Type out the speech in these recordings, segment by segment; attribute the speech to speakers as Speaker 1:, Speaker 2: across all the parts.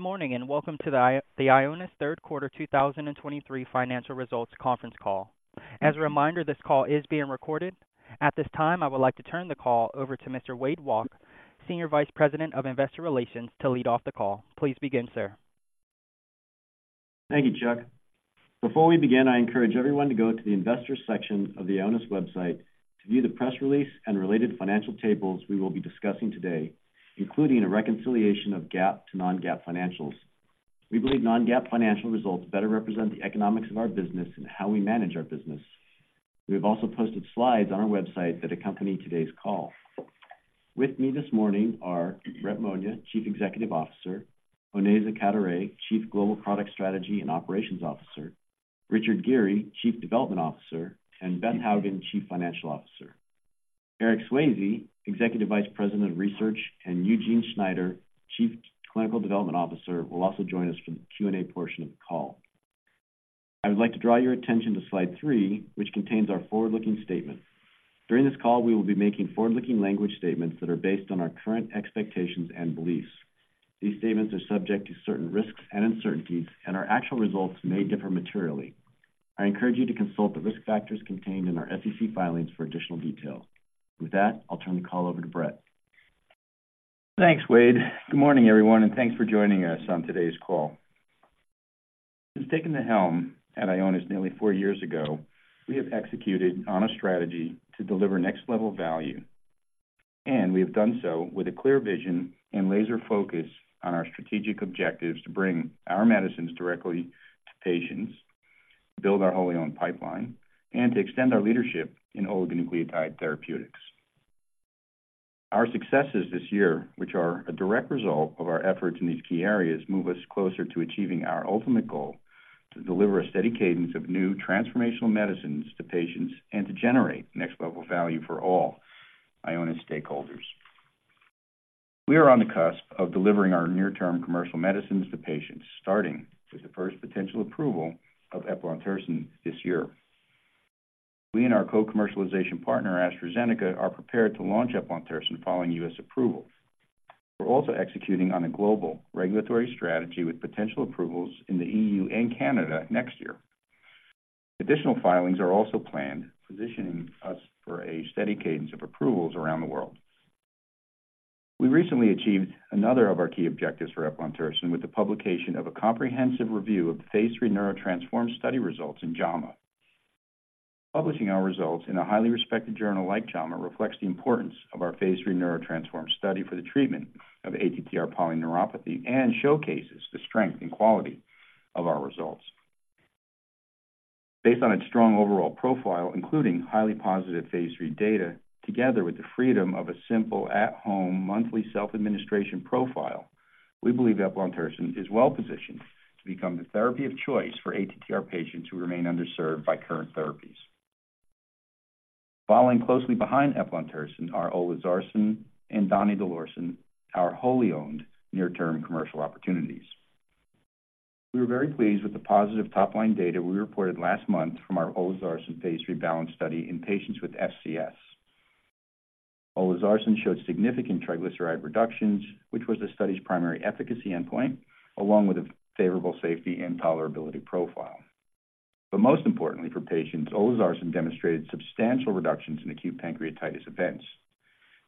Speaker 1: Good morning, and welcome to the Ionis Third Quarter 2023 Financial Results Conference Call. As a reminder, this call is being recorded. At this time, I would like to turn the call over to Mr. Wade Walke, Senior Vice President of Investor Relations, to lead off the call. Please begin, sir.
Speaker 2: Thank you, Chuck. Before we begin, I encourage everyone to go to the investors section of the Ionis website to view the press release and related financial tables we will be discussing today, including a reconciliation of GAAP to non-GAAP financials. We believe non-GAAP financial results better represent the economics of our business and how we manage our business. We have also posted slides on our website that accompany today's call. With me this morning are Brett Monia, Chief Executive Officer, Onaiza Cadoret, Chief Global Product Strategy and Operations Officer, Richard Geary, Chief Development Officer, and Beth Hougen, Chief Financial Officer. Eric Swayze, Executive Vice President of Research, and Eugene Schneider, Chief Clinical Development Officer, will also join us for the Q&A portion of the call. I would like to draw your attention to slide three, which contains our forward-looking statement. During this call, we will be making forward-looking language statements that are based on our current expectations and beliefs. These statements are subject to certain risks and uncertainties, and our actual results may differ materially. I encourage you to consult the risk factors contained in our SEC filings for additional details. With that, I'll turn the call over to Brett.
Speaker 3: Thanks, Wade. Good morning, everyone, and thanks for joining us on today's call. Since taking the helm at Ionis nearly four years ago, we have executed on a strategy to deliver next-level value, and we have done so with a clear vision and laser focus on our strategic objectives to bring our medicines directly to patients, build our wholly owned pipeline, and to extend our leadership in oligonucleotide therapeutics. Our successes this year, which are a direct result of our efforts in these key areas, move us closer to achieving our ultimate goal: to deliver a steady cadence of new transformational medicines to patients and to generate next-level value for all Ionis stakeholders. We are on the cusp of delivering our near-term commercial medicines to patients, starting with the first potential approval of eplontersen this year. We and our co-commercialization partner, AstraZeneca, are prepared to launch eplontersen following U.S. approval. We're also executing on a global regulatory strategy with potential approvals in the EU and Canada next year. Additional filings are also planned, positioning us for a steady cadence of approvals around the world. We recently achieved another of our key objectives for eplontersen with the publication of a comprehensive review of the phase III NEURO-TTRansform study results in JAMA. Publishing our results in a highly respected journal like JAMA reflects the importance of our phase III NEURO-TTRansform study for the treatment of ATTR polyneuropathy and showcases the strength and quality of our results. Based on its strong overall profile, including highly positive phase III data, together with the freedom of a simple, at-home, monthly self-administration profile, we believe eplontersen is well-positioned to become the therapy of choice for ATTR patients who remain underserved by current therapies. Following closely behind eplontersen are olezarsen and donidalorsen, our wholly owned near-term commercial opportunities. We were very pleased with the positive top-line data we reported last month from our olezarsen phase III BALANCE study in patients with FCS. Olezarsen showed significant triglyceride reductions, which was the study's primary efficacy endpoint, along with a favorable safety and tolerability profile. But most importantly for patients, olezarsen demonstrated substantial reductions in acute pancreatitis events,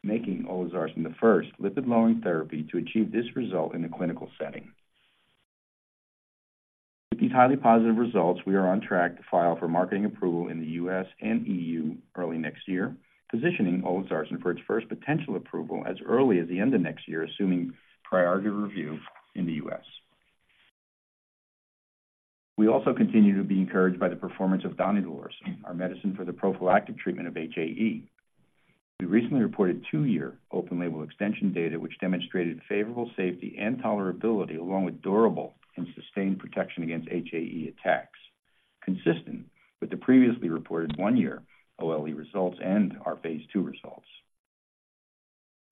Speaker 3: making olezarsen the first lipid-lowering therapy to achieve this result in a clinical setting. With these highly positive results, we are on track to file for marketing approval in the U.S. and EU early next year, positioning olezarsen for its first potential approval as early as the end of next year, assuming priority review in the U.S. We also continue to be encouraged by the performance of donidalorsen, our medicine for the prophylactic treatment of HAE. We recently reported 2-year open-label extension data, which demonstrated favorable safety and tolerability, along with durable and sustained protection against HAE attacks, consistent with the previously reported 1-year OLE results and our phase II results.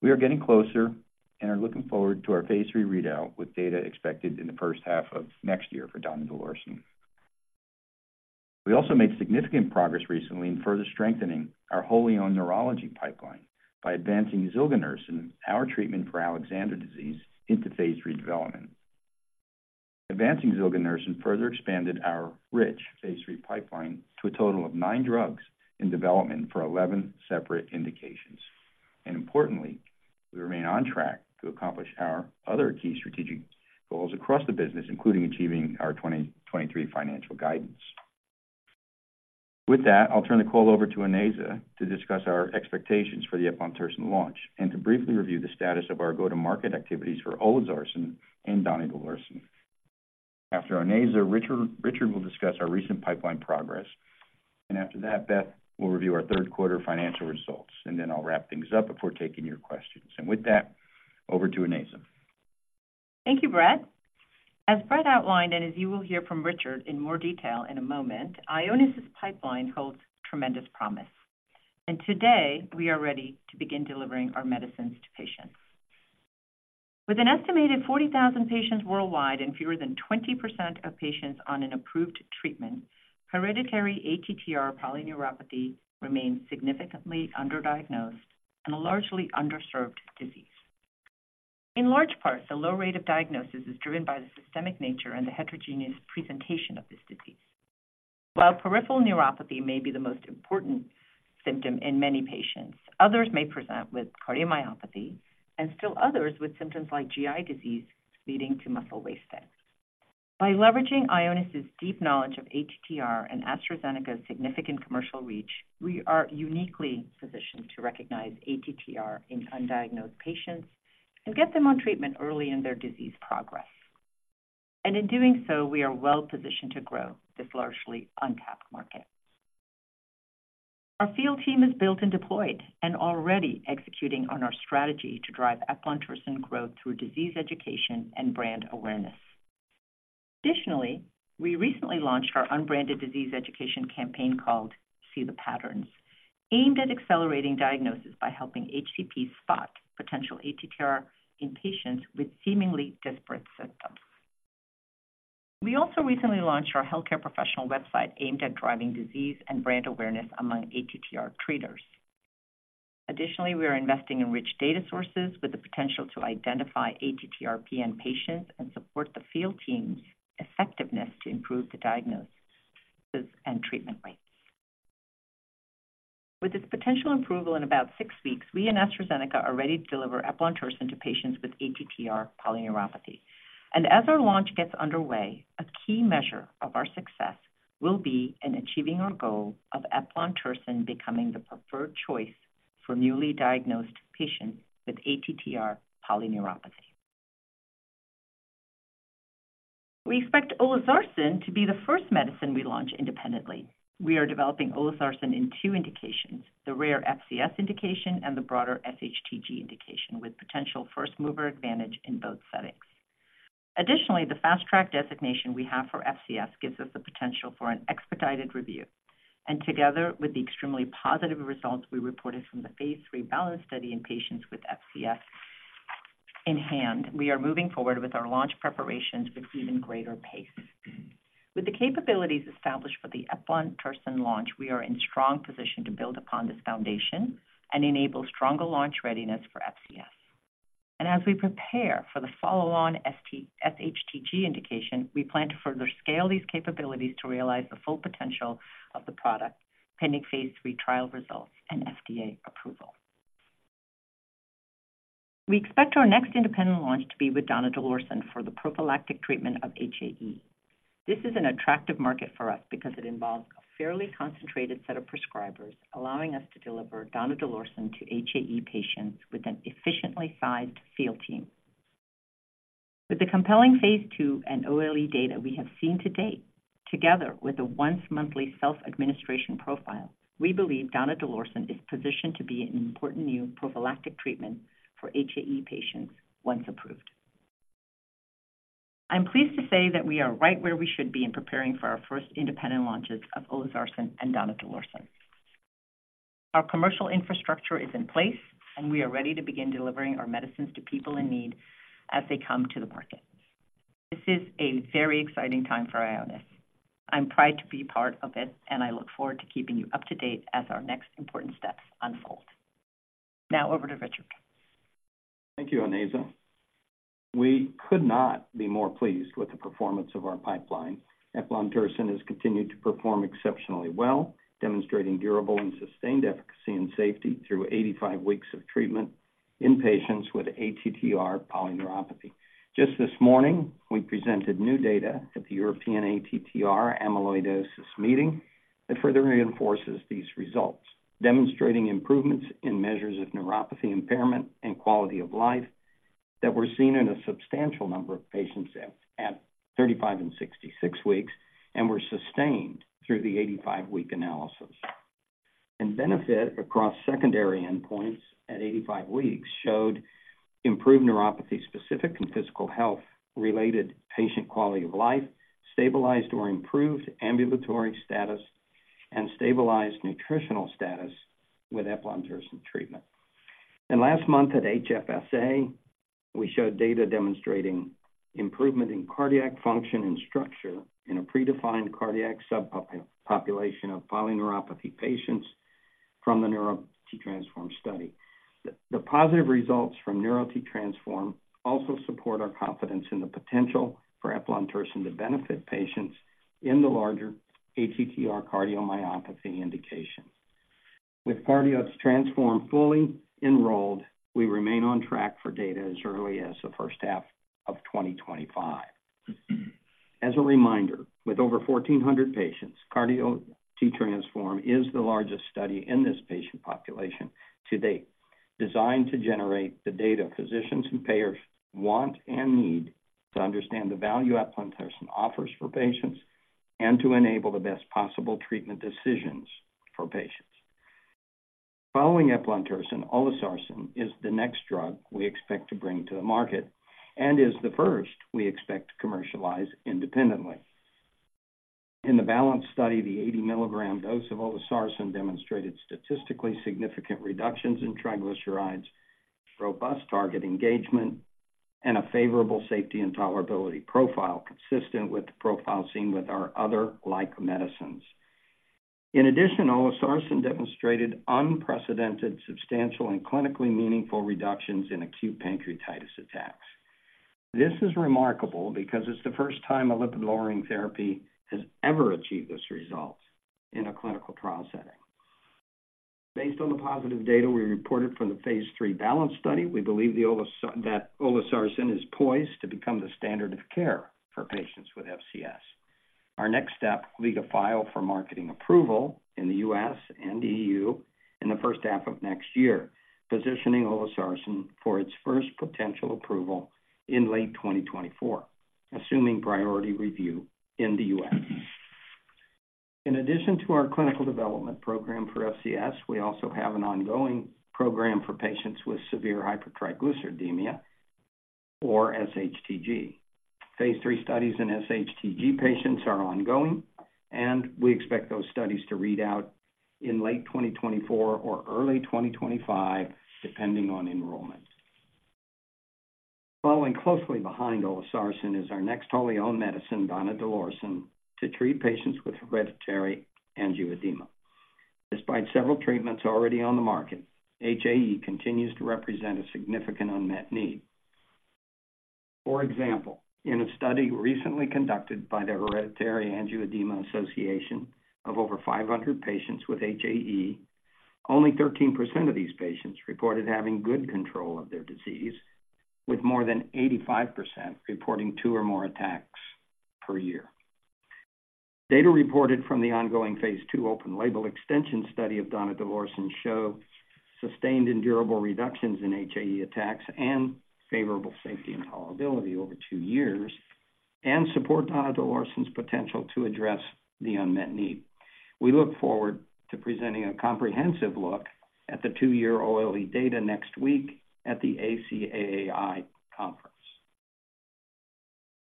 Speaker 3: We are getting closer and are looking forward to our phase III readout, with data expected in the first half of next year for donidalorsen. We also made significant progress recently in further strengthening our wholly owned neurology pipeline by advancing zilganersen, our treatment for Alexander disease, into phase III development. Advancing zilganersen further expanded our rich phase III pipeline to a total of nine drugs in development for eleven separate indications. And importantly, we remain on track to accomplish our other key strategic goals across the business, including achieving our 2023 financial guidance. With that, I'll turn the call over to Onaiza to discuss our expectations for the eplontersen launch and to briefly review the status of our go-to-market activities for olezarsen and donidalorsen. After Onaiza, Richard will discuss our recent pipeline progress, and after that, Beth will review our third quarter financial results. And then I'll wrap things up before taking your questions. And with that, over to Onaiza.
Speaker 4: Thank you, Brett. As Brett outlined, and as you will hear from Richard in more detail in a moment, Ionis's pipeline holds tremendous promise, and today, we are ready to begin delivering our medicines to patients. With an estimated 40,000 patients worldwide and fewer than 20% of patients on an approved treatment, hereditary ATTR polyneuropathy remains significantly underdiagnosed and a largely underserved disease. In large part, the low rate of diagnosis is driven by the systemic nature and the heterogeneous presentation of this disease. While peripheral neuropathy may be the most important symptom in many patients, others may present with cardiomyopathy and still others with symptoms like GI disease, leading to muscle wasting. By leveraging Ionis' deep knowledge of ATTR and AstraZeneca's significant commercial reach, we are uniquely positioned to recognize ATTR in undiagnosed patients and get them on treatment early in their disease progress. In doing so, we are well-positioned to grow this largely untapped market. Our field team is built and deployed and already executing on our strategy to drive eplontersen growth through disease education and brand awareness. Additionally, we recently launched our unbranded disease education campaign called See the Patterns, aimed at accelerating diagnosis by helping HCP spot potential ATTR in patients with seemingly disparate symptoms. We also recently launched our healthcare professional website, aimed at driving disease and brand awareness among ATTR treaters. Additionally, we are investing in rich data sources with the potential to identify ATTR-PN patients and support the field team's effectiveness to improve the diagnosis and treatment rates. With its potential approval in about six weeks, we and AstraZeneca are ready to deliver eplontersen to patients with ATTR polyneuropathy. As our launch gets underway, a key measure of our success will be in achieving our goal of eplontersen becoming the preferred choice for newly diagnosed patients with ATTR polyneuropathy. We expect olezarsen to be the first medicine we launch independently. We are developing olezarsen in two indications: the rare FCS indication and the broader SHTG indication, with potential first-mover advantage in both settings. Additionally, the Fast Track designation we have for FCS gives us the potential for an expedited review. And together with the extremely positive results we reported from the phase III BALANCE study in patients with FCS in hand, we are moving forward with our launch preparations with even greater pace. With the capabilities established for the eplontersen launch, we are in strong position to build upon this foundation and enable stronger launch readiness for FCS. As we prepare for the follow-on SHTG indication, we plan to further scale these capabilities to realize the full potential of the product, pending phase III trial results and FDA approval. We expect our next independent launch to be with donidalorsen for the prophylactic treatment of HAE. This is an attractive market for us because it involves a fairly concentrated set of prescribers, allowing us to deliver donidalorsen to HAE patients with an efficiently sized field team. With the compelling phase II and OLE data we have seen to date, together with a once-monthly self-administration profile, we believe donidalorsen is positioned to be an important new prophylactic treatment for HAE patients once approved. I'm pleased to say that we are right where we should be in preparing for our first independent launches of olezarsen and donidalorsen. Our commercial infrastructure is in place, and we are ready to begin delivering our medicines to people in need as they come to the market. This is a very exciting time for Ionis. I'm proud to be part of it, and I look forward to keeping you up to date as our next important steps unfold. Now, over to Richard.
Speaker 5: Thank you, Onaiza. We could not be more pleased with the performance of our pipeline. Eplontersen has continued to perform exceptionally well, demonstrating durable and sustained efficacy and safety through 85 weeks of treatment in patients with ATTR polyneuropathy. Just this morning, we presented new data at the European ATTR Amyloidosis Meeting that further reinforces these results, demonstrating improvements in measures of neuropathy, impairment, and quality of life that were seen in a substantial number of patients at 35 and 66 weeks and were sustained through the 85-week analysis. Benefit across secondary endpoints at 85 weeks showed improved neuropathy-specific and physical health-related patient quality of life, stabilized or improved ambulatory status, and stabilized nutritional status with eplontersen treatment. Last month at HFSA, we showed data demonstrating improvement in cardiac function and structure in a predefined cardiac subpopulation of polyneuropathy patients from the NEURO-TTRansform study. The positive results from NEURO-TTRansform also support our confidence in the potential for eplontersen to benefit patients in the larger ATTR cardiomyopathy indication. With CARDIO-TTRansform fully enrolled, we remain on track for data as early as the first half of 2025. As a reminder, with over 1,400 patients, CARDIO-TTRansform is the largest study in this patient population to date, designed to generate the data physicians and payers want and need to understand the value eplontersen offers for patients and to enable the best possible treatment decisions for patients. Following eplontersen, olezarsen is the next drug we expect to bring to the market and is the first we expect to commercialize independently. In the BALANCE study, the 80 mg dose of olezarsen demonstrated statistically significant reductions in triglycerides, robust target engagement and a favorable safety and tolerability profile, consistent with the profile seen with our other glyco medicines. In addition, olezarsen demonstrated unprecedented, substantial, and clinically meaningful reductions in acute pancreatitis attacks. This is remarkable because it's the first time a lipid-lowering therapy has ever achieved this result in a clinical trial setting. Based on the positive data we reported from the phase III BALANCE study, we believe that olezarsen is poised to become the standard of care for patients with FCS. Our next step will be to file for marketing approval in the U.S. and EU in the first half of next year, positioning olezarsen for its first potential approval in late 2024, assuming priority review in the U.S. In addition to our clinical development program for FCS, we also have an ongoing program for patients with severe hypertriglyceridemia or SHTG. Phase III studies in SHTG patients are ongoing, and we expect those studies to read out in late 2024 or early 2025, depending on enrollment. Following closely behind olezarsen is our next wholly owned medicine, donidalorsen, to treat patients with hereditary angioedema. Despite several treatments already on the market, HAE continues to represent a significant unmet need. For example, in a study recently conducted by the Hereditary Angioedema Association of over 500 patients with HAE, only 13% of these patients reported having good control of their disease, with more than 85% reporting two or more attacks per year. Data reported from the ongoing phase II open-label extension study of donidalorsen show sustained and durable reductions in HAE attacks and favorable safety and tolerability over two years, and support donidalorsen's potential to address the unmet need. We look forward to presenting a comprehensive look at the 2-year OLE data next week at the ACAAI conference.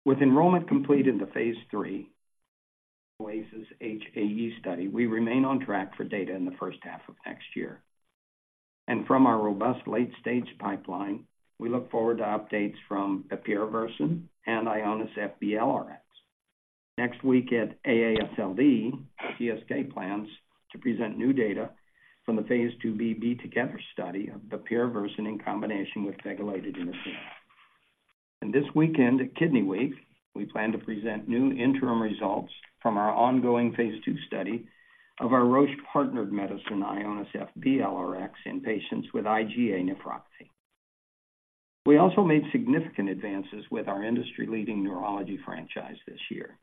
Speaker 5: With enrollment complete in the phase III OASIS-HAE study, we remain on track for data in the first half of next year. From our robust late-stage pipeline, we look forward to updates from bepirovirsen and IONIS-FB-LRx. Next week at AASLD, GSK plans to present new data from the phase II-B [B together] study of bepirovirsen in combination with pegylated interferon. This weekend at Kidney Week, we plan to present new interim results from our ongoing phase II study of our Roche-partnered medicine, IONIS-FB-LRx, in patients with IgA nephropathy. We also made significant advances with our industry-leading neurology franchise this year.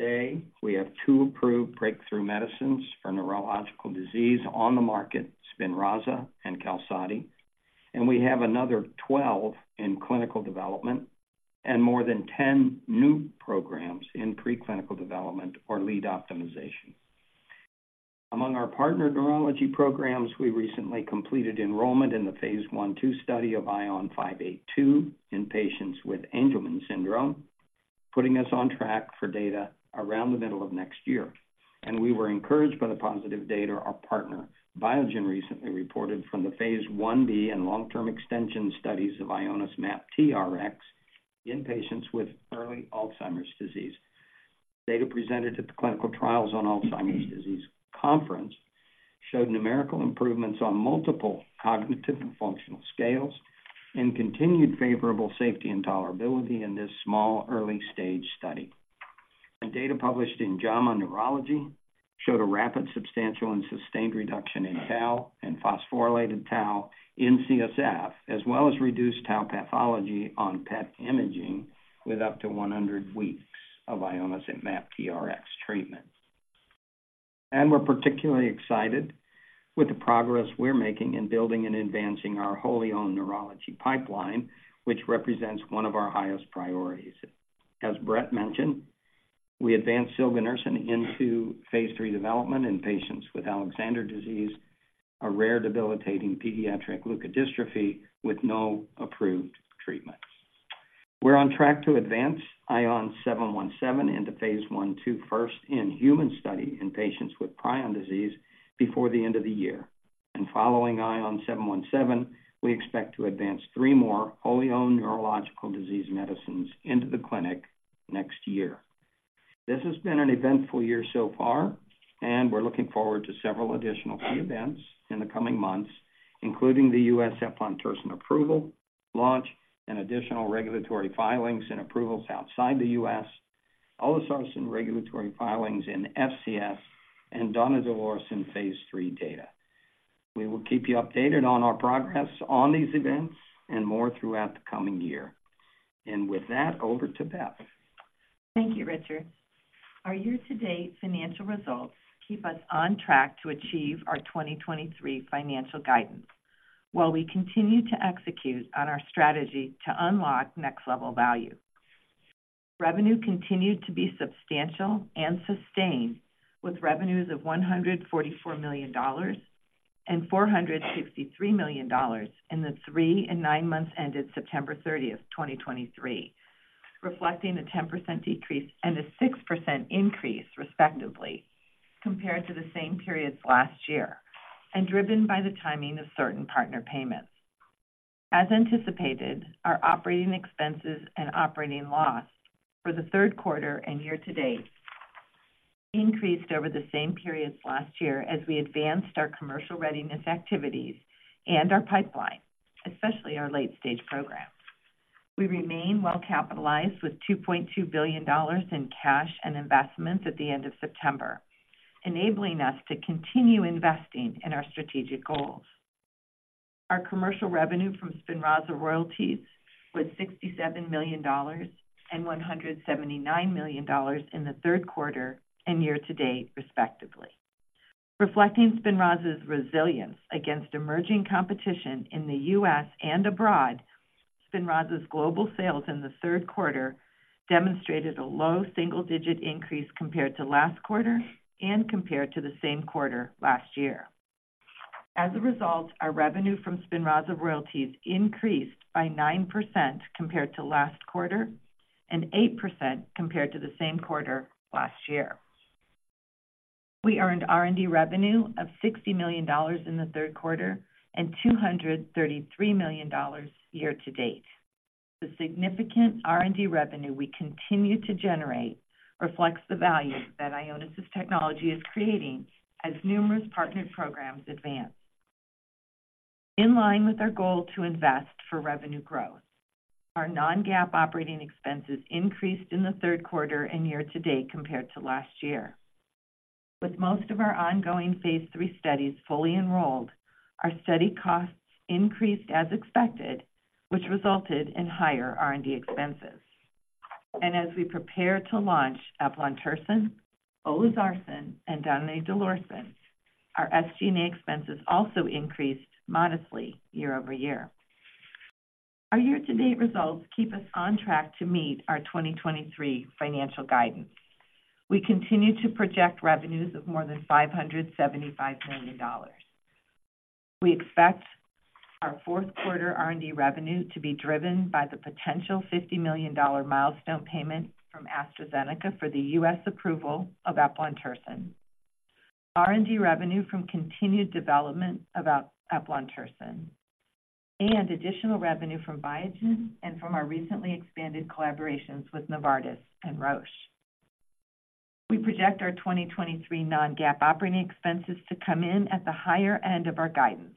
Speaker 5: Today, we have two approved breakthrough medicines for neurological disease on the market, SPINRAZA and QALSODY, and we have another 12 in clinical development and more than 10 new programs in preclinical development or lead optimization. Among our partner neurology programs, we recently completed enrollment in the phase I-II study of ION582 in patients with Angelman syndrome, putting us on track for data around the middle of next year. We were encouraged by the positive data our partner, Biogen, recently reported from the phase I-B and long-term extension studies of IONIS-MAPTRx in patients with early Alzheimer's disease. Data presented at the Clinical Trials on Alzheimer's Disease conference showed numerical improvements on multiple cognitive and functional scales and continued favorable safety and tolerability in this small, early-stage study. Data published in JAMA Neurology showed a rapid, substantial, and sustained reduction in tau and phosphorylated tau in CSF, as well as reduced tau pathology on PET imaging with up to 100 weeks of IONIS-MAPTRx treatment. And we're particularly excited with the progress we're making in building and advancing our wholly owned neurology pipeline, which represents one of our highest priorities. As Brett mentioned, we advanced zilganersen into phase III development in patients with Alexander disease, a rare, debilitating pediatric leukodystrophy with no approved treatment. We're on track to advance ION717 into phase I-II first-in-human study in patients with prion disease before the end of the year. And following ION717, we expect to advance three more wholly owned neurological disease medicines into the clinic next year. This has been an eventful year so far, and we're looking forward to several additional key events in the coming months, including the U.S. eplontersen approval, launch and additional regulatory filings and approvals outside the U.S., olezarsen regulatory filings in FCS, and donidalorsen phase III data. We will keep you updated on our progress on these events and more throughout the coming year. And with that, over to Beth.
Speaker 6: Thank you, Richard. Our year-to-date financial results keep us on track to achieve our 2023 financial guidance, while we continue to execute on our strategy to unlock next-level value. Revenue continued to be substantial and sustained, with revenues of $144 million and $463 million in the three and nine months ended September 30, 2023, reflecting a 10% decrease and a 6% increase, respectively, compared to the same periods last year, and driven by the timing of certain partner payments. As anticipated, our operating expenses and operating loss for the third quarter and year-to-date increased over the same periods last year as we advanced our commercial readiness activities and our pipeline, especially our late-stage programs. We remain well-capitalized, with $2.2 billion in cash and investments at the end of September, enabling us to continue investing in our strategic goals. Our commercial revenue from SPINRAZA royalties was $67 million and $179 million in the third quarter and year-to-date, respectively. Reflecting SPINRAZA's resilience against emerging competition in the U.S. and abroad, SPINRAZA's global sales in the third quarter demonstrated a low single-digit increase compared to last quarter and compared to the same quarter last year. As a result, our revenue from SPINRAZA royalties increased by 9% compared to last quarter and 8% compared to the same quarter last year. We earned R&D revenue of $60 million in the third quarter and $233 million year-to-date. The significant R&D revenue we continue to generate reflects the value that Ionis' technology is creating as numerous partnered programs advance. In line with our goal to invest for revenue growth, our non-GAAP operating expenses increased in the third quarter and year-to-date compared to last year. With most of our ongoing phase III studies fully enrolled, our study costs increased as expected, which resulted in higher R&D expenses. And as we prepare to launch eplontersen, olezarsen, and donidalorsen, our SG&A expenses also increased modestly year-over-year. Our year-to-date results keep us on track to meet our 2023 financial guidance. We continue to project revenues of more than $575 million. We expect our fourth quarter R&D revenue to be driven by the potential $50 million milestone payment from AstraZeneca for the U.S. approval of eplontersen, R&D revenue from continued development of eplontersen, and additional revenue from Biogen and from our recently expanded collaborations with Novartis and Roche. We project our 2023 non-GAAP operating expenses to come in at the higher end of our guidance,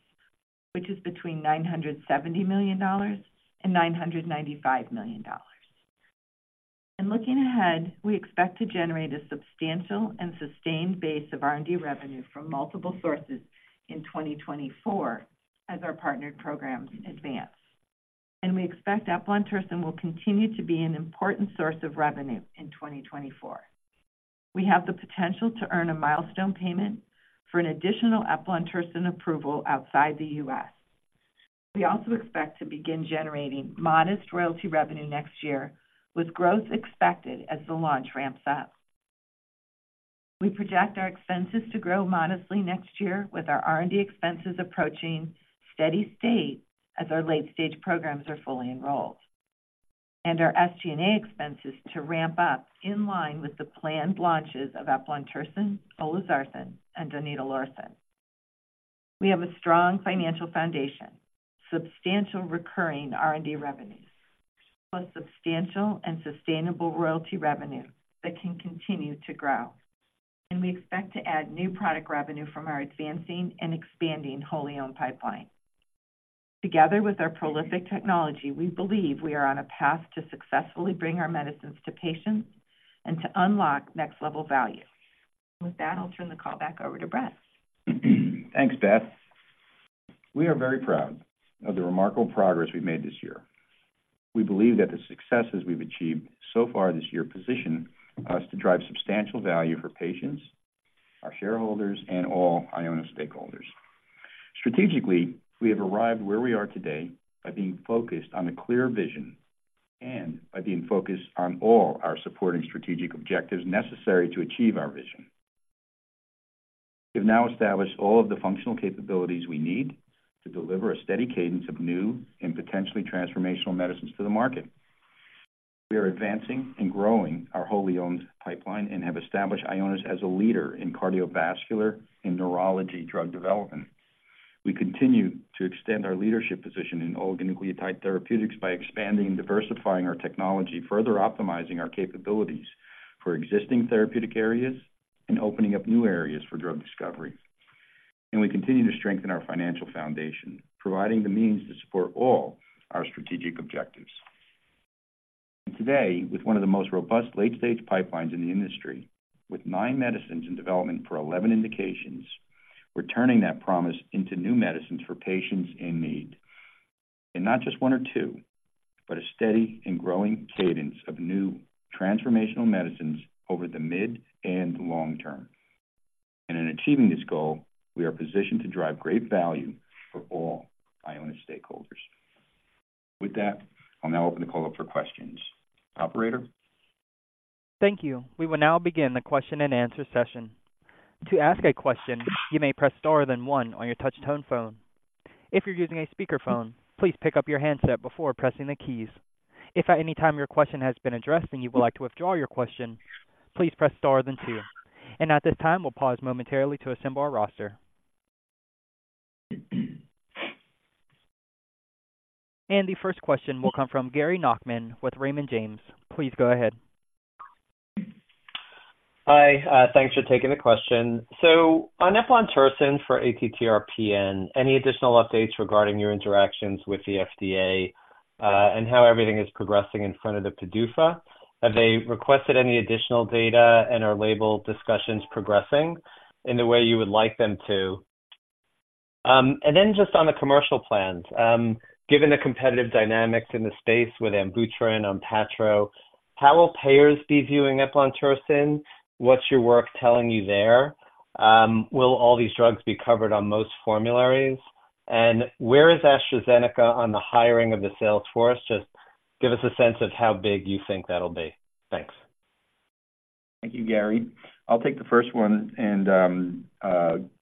Speaker 6: which is between $970 million and $995 million. Looking ahead, we expect to generate a substantial and sustained base of R&D revenue from multiple sources in 2024 as our partnered programs advance. We expect eplontersen will continue to be an important source of revenue in 2024. We have the potential to earn a milestone payment for an additional eplontersen approval outside the U.S. We also expect to begin generating modest royalty revenue next year, with growth expected as the launch ramps up. We project our expenses to grow modestly next year, with our R&D expenses approaching steady state as our late-stage programs are fully enrolled, and our SG&A expenses to ramp up in line with the planned launches of eplontersen, olezarsen, and donidalorsen. We have a strong financial foundation, substantial recurring R&D revenues, plus substantial and sustainable royalty revenue that can continue to grow, and we expect to add new product revenue from our advancing and expanding wholly-owned pipeline. Together with our prolific technology, we believe we are on a path to successfully bring our medicines to patients and to unlock next-level value. With that, I'll turn the call back over to Brett.
Speaker 3: Thanks, Beth. We are very proud of the remarkable progress we've made this year. We believe that the successes we've achieved so far this year position us to drive substantial value for patients, our shareholders, and all Ionis stakeholders. Strategically, we have arrived where we are today by being focused on a clear vision and by being focused on all our supporting strategic objectives necessary to achieve our vision. We've now established all of the functional capabilities we need to deliver a steady cadence of new and potentially transformational medicines to the market. We are advancing and growing our wholly-owned pipeline and have established Ionis as a leader in cardiovascular and neurology drug development. We continue to extend our leadership position in oligonucleotide therapeutics by expanding and diversifying our technology, further optimizing our capabilities for existing therapeutic areas and opening up new areas for drug discovery. We continue to strengthen our financial foundation, providing the means to support all our strategic objectives. Today, with one of the most robust late-stage pipelines in the industry, with nine medicines in development for eleven indications, we're turning that promise into new medicines for patients in need. Not just one or two, but a steady and growing cadence of new transformational medicines over the mid and long term. In achieving this goal, we are positioned to drive great value for all Ionis stakeholders. With that, I'll now open the call up for questions. Operator?
Speaker 1: Thank you. We will now begin the question-and-answer session. To ask a question, you may press star then one on your touch-tone phone. If you're using a speakerphone, please pick up your handset before pressing the keys. If at any time your question has been addressed and you would like to withdraw your question, please press star, then two. At this time, we'll pause momentarily to assemble our roster. The first question will come from Gary Nachman with Raymond James. Please go ahead.
Speaker 7: Hi, thanks for taking the question. So on eplontersen for ATTR-PN, any additional updates regarding your interactions with the FDA, and how everything is progressing in front of the PDUFA? Have they requested any additional data and are label discussions progressing in the way you would like them to? And then just on the commercial plans, given the competitive dynamics in the space with Amvuttra and Onpattro, how will payers be viewing eplontersen? What's your work telling you there? Will all these drugs be covered on most formularies? And where is AstraZeneca on the hiring of the sales force? Just give us a sense of how big you think that'll be. Thanks.
Speaker 3: Thank you, Gary. I'll take the first one and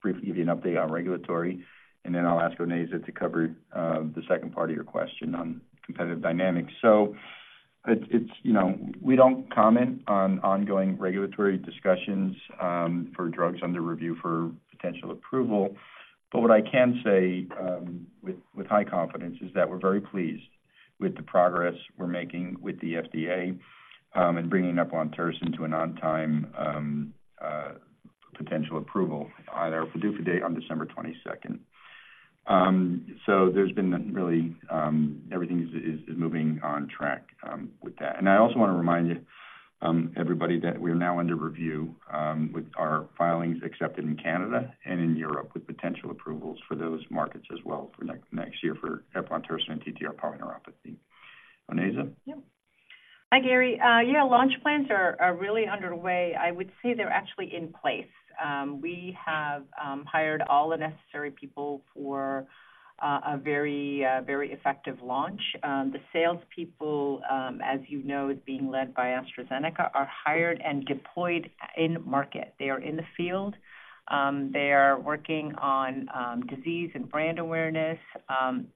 Speaker 3: briefly give you an update on regulatory, and then I'll ask Onaiza to cover the second part of your question on competitive dynamics. So it's, it's, you know, we don't comment on ongoing regulatory discussions for drugs under review for potential approval. But what I can say with, with high confidence is that we're very pleased with the progress we're making with the FDA in bringing up eplontersen to an on-time potential approval on our PDUFA date on December twenty-second. So there's been really everything is, is moving on track with that. I also want to remind you, everybody, that we are now under review with our filings accepted in Canada and in Europe, with potential approvals for those markets as well for next year for eplontersen and ATTR polyneuropathy. Onaiza?
Speaker 4: Yeah. Hi, Gary. Yeah, launch plans are really underway. I would say they're actually in place. We have hired all the necessary people for a very effective launch. The salespeople, as you know, is being led by AstraZeneca, are hired and deployed in market. They are in the field. They are working on disease and brand awareness.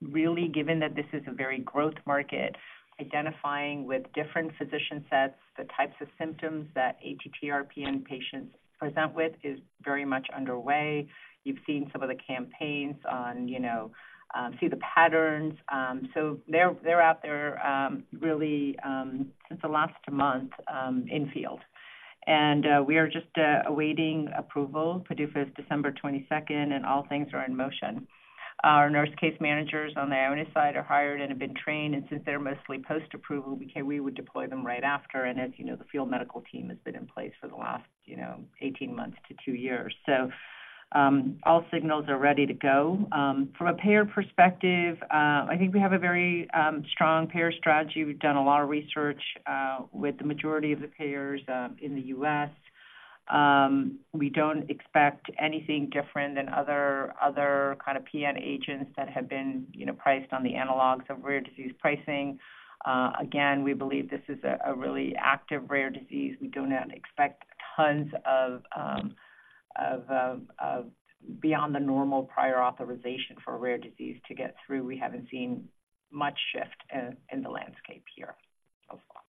Speaker 4: Really, given that this is a very growth market, identifying with different physician sets, the types of symptoms that ATTR-PN patients present with is very much underway. You've seen some of the campaigns on, you know, see the patterns. So they're out there, really, since the last month, in field. And we are just awaiting approval. PDUFA is December 22, and all things are in motion. Our nurse case managers on the Ionis side are hired and have been trained, and since they're mostly post-approval, we would deploy them right after. And as you know, the field medical team has been in place for the last, you know, 18 months to two years. So, all signals are ready to go. From a payer perspective, I think we have a very strong payer strategy. We've done a lot of research with the majority of the payers in the U.S. We don't expect anything different than other kind of PN agents that have been, you know, priced on the analogs of rare disease pricing. Again, we believe this is a really active rare disease. We do not expect tons of beyond the normal prior authorization for a rare disease to get through. We haven't seen much shift in the landscape here so far.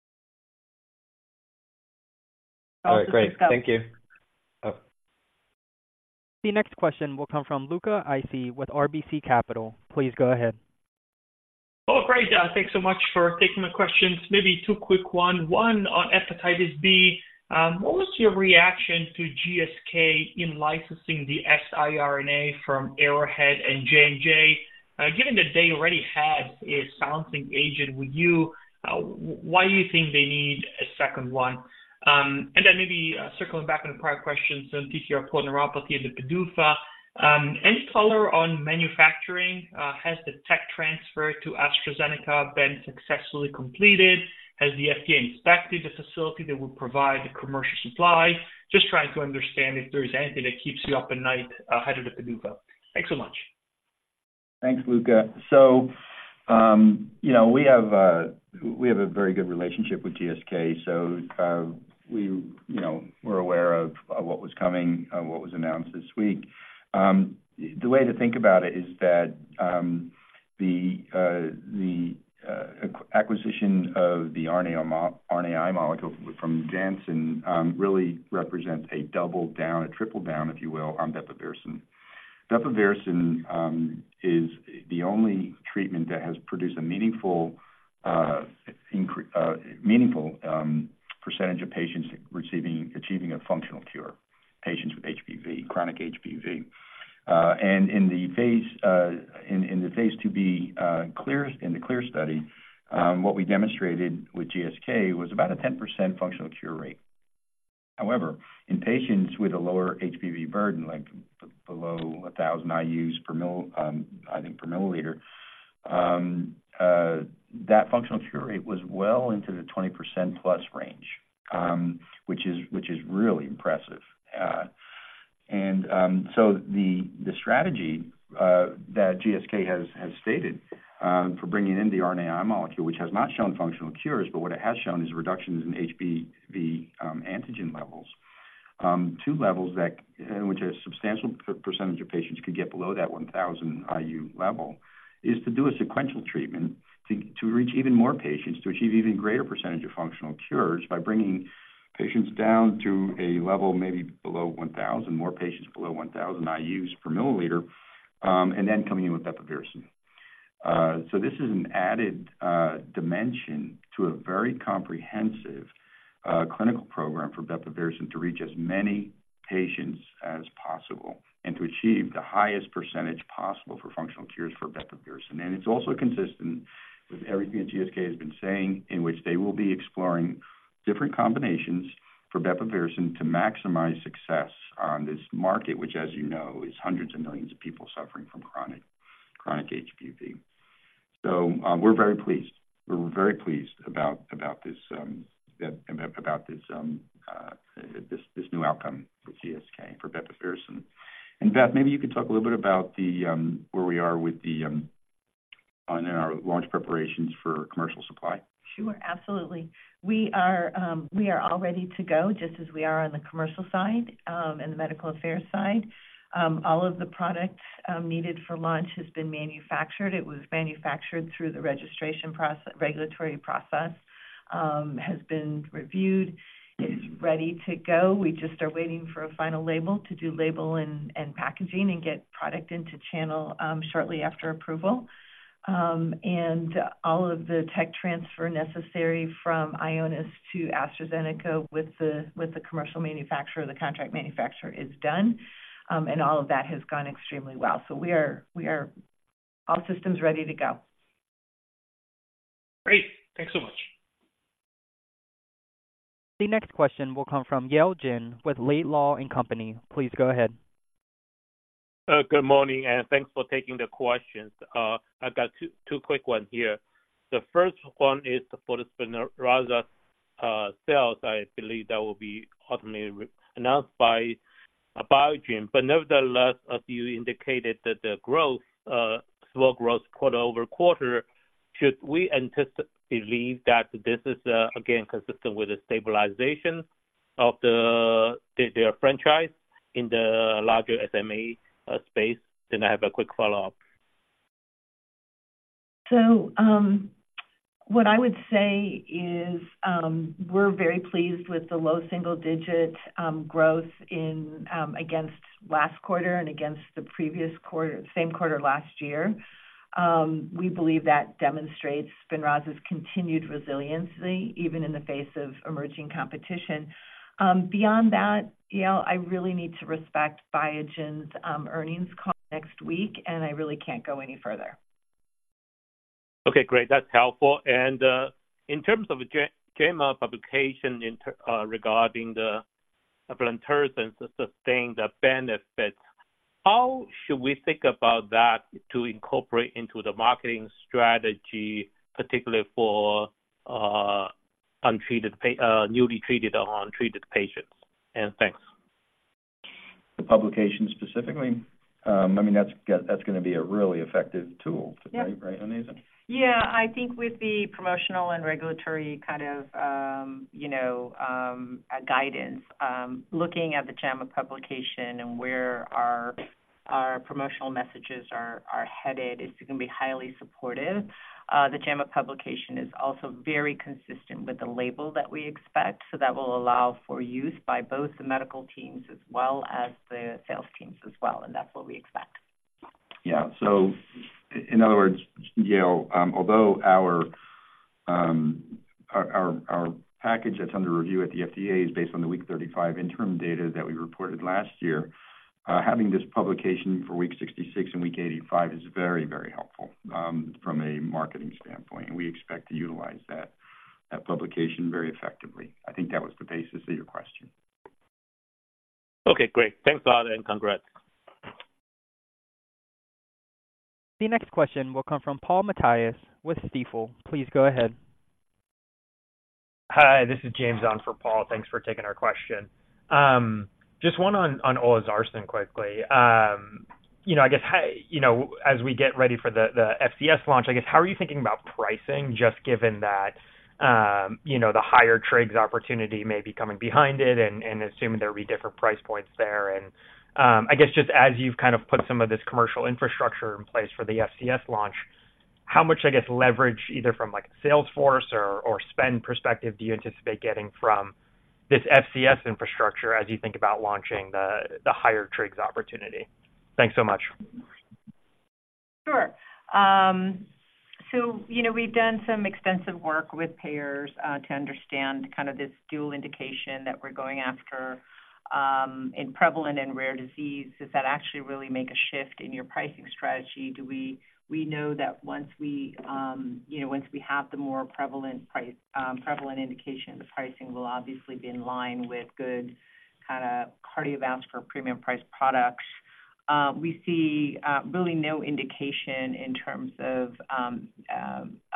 Speaker 7: All right, great. Thank you. Oh.
Speaker 1: The next question will come from Luca Issi with RBC Capital. Please go ahead.
Speaker 8: Oh, great. Thanks so much for taking the questions. Maybe two quick one. One, on hepatitis B, what was your reaction to GSK in licensing the siRNA from Arrowhead and J&J? Given that they already had a silencing agent with you, why do you think they need a second one? And then maybe, circling back on the prior questions on TTR polyneuropathy and the PDUFA, any color on manufacturing? Has the tech transfer to AstraZeneca been successfully completed? Has the FDA inspected the facility that would provide the commercial supply? Just trying to understand if there is anything that keeps you up at night, ahead of the PDUFA. Thanks so much.
Speaker 3: Thanks, Luca. So, you know, we have a very good relationship with GSK, so, we, you know, we're aware of what was coming, what was announced this week. The way to think about it is that, the acquisition of the RNAi molecule from Janssen really represents a double down, a triple down, if you will, on bepirovirsen. Bepirovirsen is the only treatment that has produced a meaningful percentage of patients achieving a functional cure, patients with HBV, chronic HBV. And in the phase II-B CLEAR study, what we demonstrated with GSK was about a 10% functional cure rate. However, in patients with a lower HBV burden, like below 1,000 IUs per ml, I think per milliliter, that functional cure rate was well into the 20%+ range, which is really impressive. So the strategy that GSK has stated for bringing in the RNAi molecule, which has not shown functional cures, but what it has shown is reductions in HBV antigen levels to levels that a substantial percentage of patients could get below that 1,000 IU level, is to do a sequential treatment to reach even more patients, to achieve even greater percentage of functional cures by bringing patients down to a level maybe below 1,000, more patients below 1,000 IUs per ml, and then coming in with bepirovirsen. So this is an added dimension to a very comprehensive clinical program for bepirovirsen to reach as many patients as possible and to achieve the highest percentage possible for functional cures for bepirovirsen. And it's also consistent with everything GSK has been saying, in which they will be exploring different combinations for bepirovirsen to maximize success on this market, which, as you know, is hundreds of millions of people suffering from chronic, chronic HBV. So, we're very pleased. We're very pleased about this new outcome for GSK, for bepirovirsen. And Beth, maybe you could talk a little bit about where we are with the on our launch preparations for commercial supply.
Speaker 6: Sure, absolutely. We are, we are all ready to go, just as we are on the commercial side, and the medical affairs side. All of the product, needed for launch has been manufactured. It was manufactured through the registration process, regulatory process, has been reviewed. It is ready to go. We just are waiting for a final label to do label and packaging and get product into channel, shortly after approval. And all of the tech transfer necessary from Ionis to AstraZeneca with the commercial manufacturer, the contract manufacturer, is done, and all of that has gone extremely well. So we are all systems ready to go.
Speaker 8: Great. Thanks so much!
Speaker 1: The next question will come from Yao Huang with Laidlow & Company. Please go ahead.
Speaker 9: Good morning, and thanks for taking the questions. I've got two quick ones here. The first one is for the SPINRAZA sales. I believe that will be ultimately announced by Biogen. But nevertheless, as you indicated that the slow growth quarter-over-quarter, should we believe that this is, again, consistent with the stabilization of their franchise in the larger SMA space? Then I have a quick follow-up.
Speaker 4: So, what I would say is, we're very pleased with the low single-digit growth in against last quarter and against the previous quarter, same quarter last year. We believe that demonstrates SPINRAZA's continued resiliency, even in the face of emerging competition. Beyond that, Yao, I really need to respect Biogen's earnings call next week, and I really can't go any further.
Speaker 9: Okay, great. That's helpful. And in terms of the JAMA publication regarding the eplontersen sustained benefits, how should we think about that to incorporate into the marketing strategy, particularly for untreated newly treated or untreated patients? And thanks.
Speaker 3: The publication specifically? I mean, that's, that's gonna be a really effective tool.
Speaker 4: Yeah.
Speaker 3: Right, right, Onaiza?
Speaker 4: Yeah, I think with the promotional and regulatory kind of, you know, guidance, looking at the JAMA publication and where our promotional messages are headed, it's going to be highly supportive. The JAMA publication is also very consistent with the label that we expect, so that will allow for use by both the medical teams as well as the sales teams as well, and that's what we expect.
Speaker 3: Yeah. So in other words, Yao, although our package that's under review at the FDA is based on the week 35 interim data that we reported last year, having this publication for week 66 and week 85 is very, very helpful from a marketing standpoint, and we expect to utilize that publication very effectively. I think that was the basis of your question.
Speaker 9: Okay, great. Thanks a lot, and congrats.
Speaker 1: The next question will come from Paul Matteis with Stifel. Please go ahead.
Speaker 10: Hi, this is James on for Paul. Thanks for taking our question. Just one on olezarsen quickly. You know, I guess, hey, you know, as we get ready for the FCS launch, I guess, how are you thinking about pricing, just given that, you know, the higher trigs opportunity may be coming behind it and assuming there'll be different price points there? And I guess just as you've kind of put some of this commercial infrastructure in place for the FCS launch, how much, I guess, leverage, either from like a sales force or spend perspective, do you anticipate getting from this FCS infrastructure as you think about launching the higher trigs opportunity? Thanks so much.
Speaker 4: Sure. So you know, we've done some extensive work with payers, to understand kind of this dual indication that we're going after, in prevalent and rare disease. Does that actually really make a shift in your pricing strategy? We know that once we, you know, once we have the more prevalent price, prevalent indication, the pricing will obviously be in line with good kind of cardiovascular premium price products. We see, really no indication in terms of,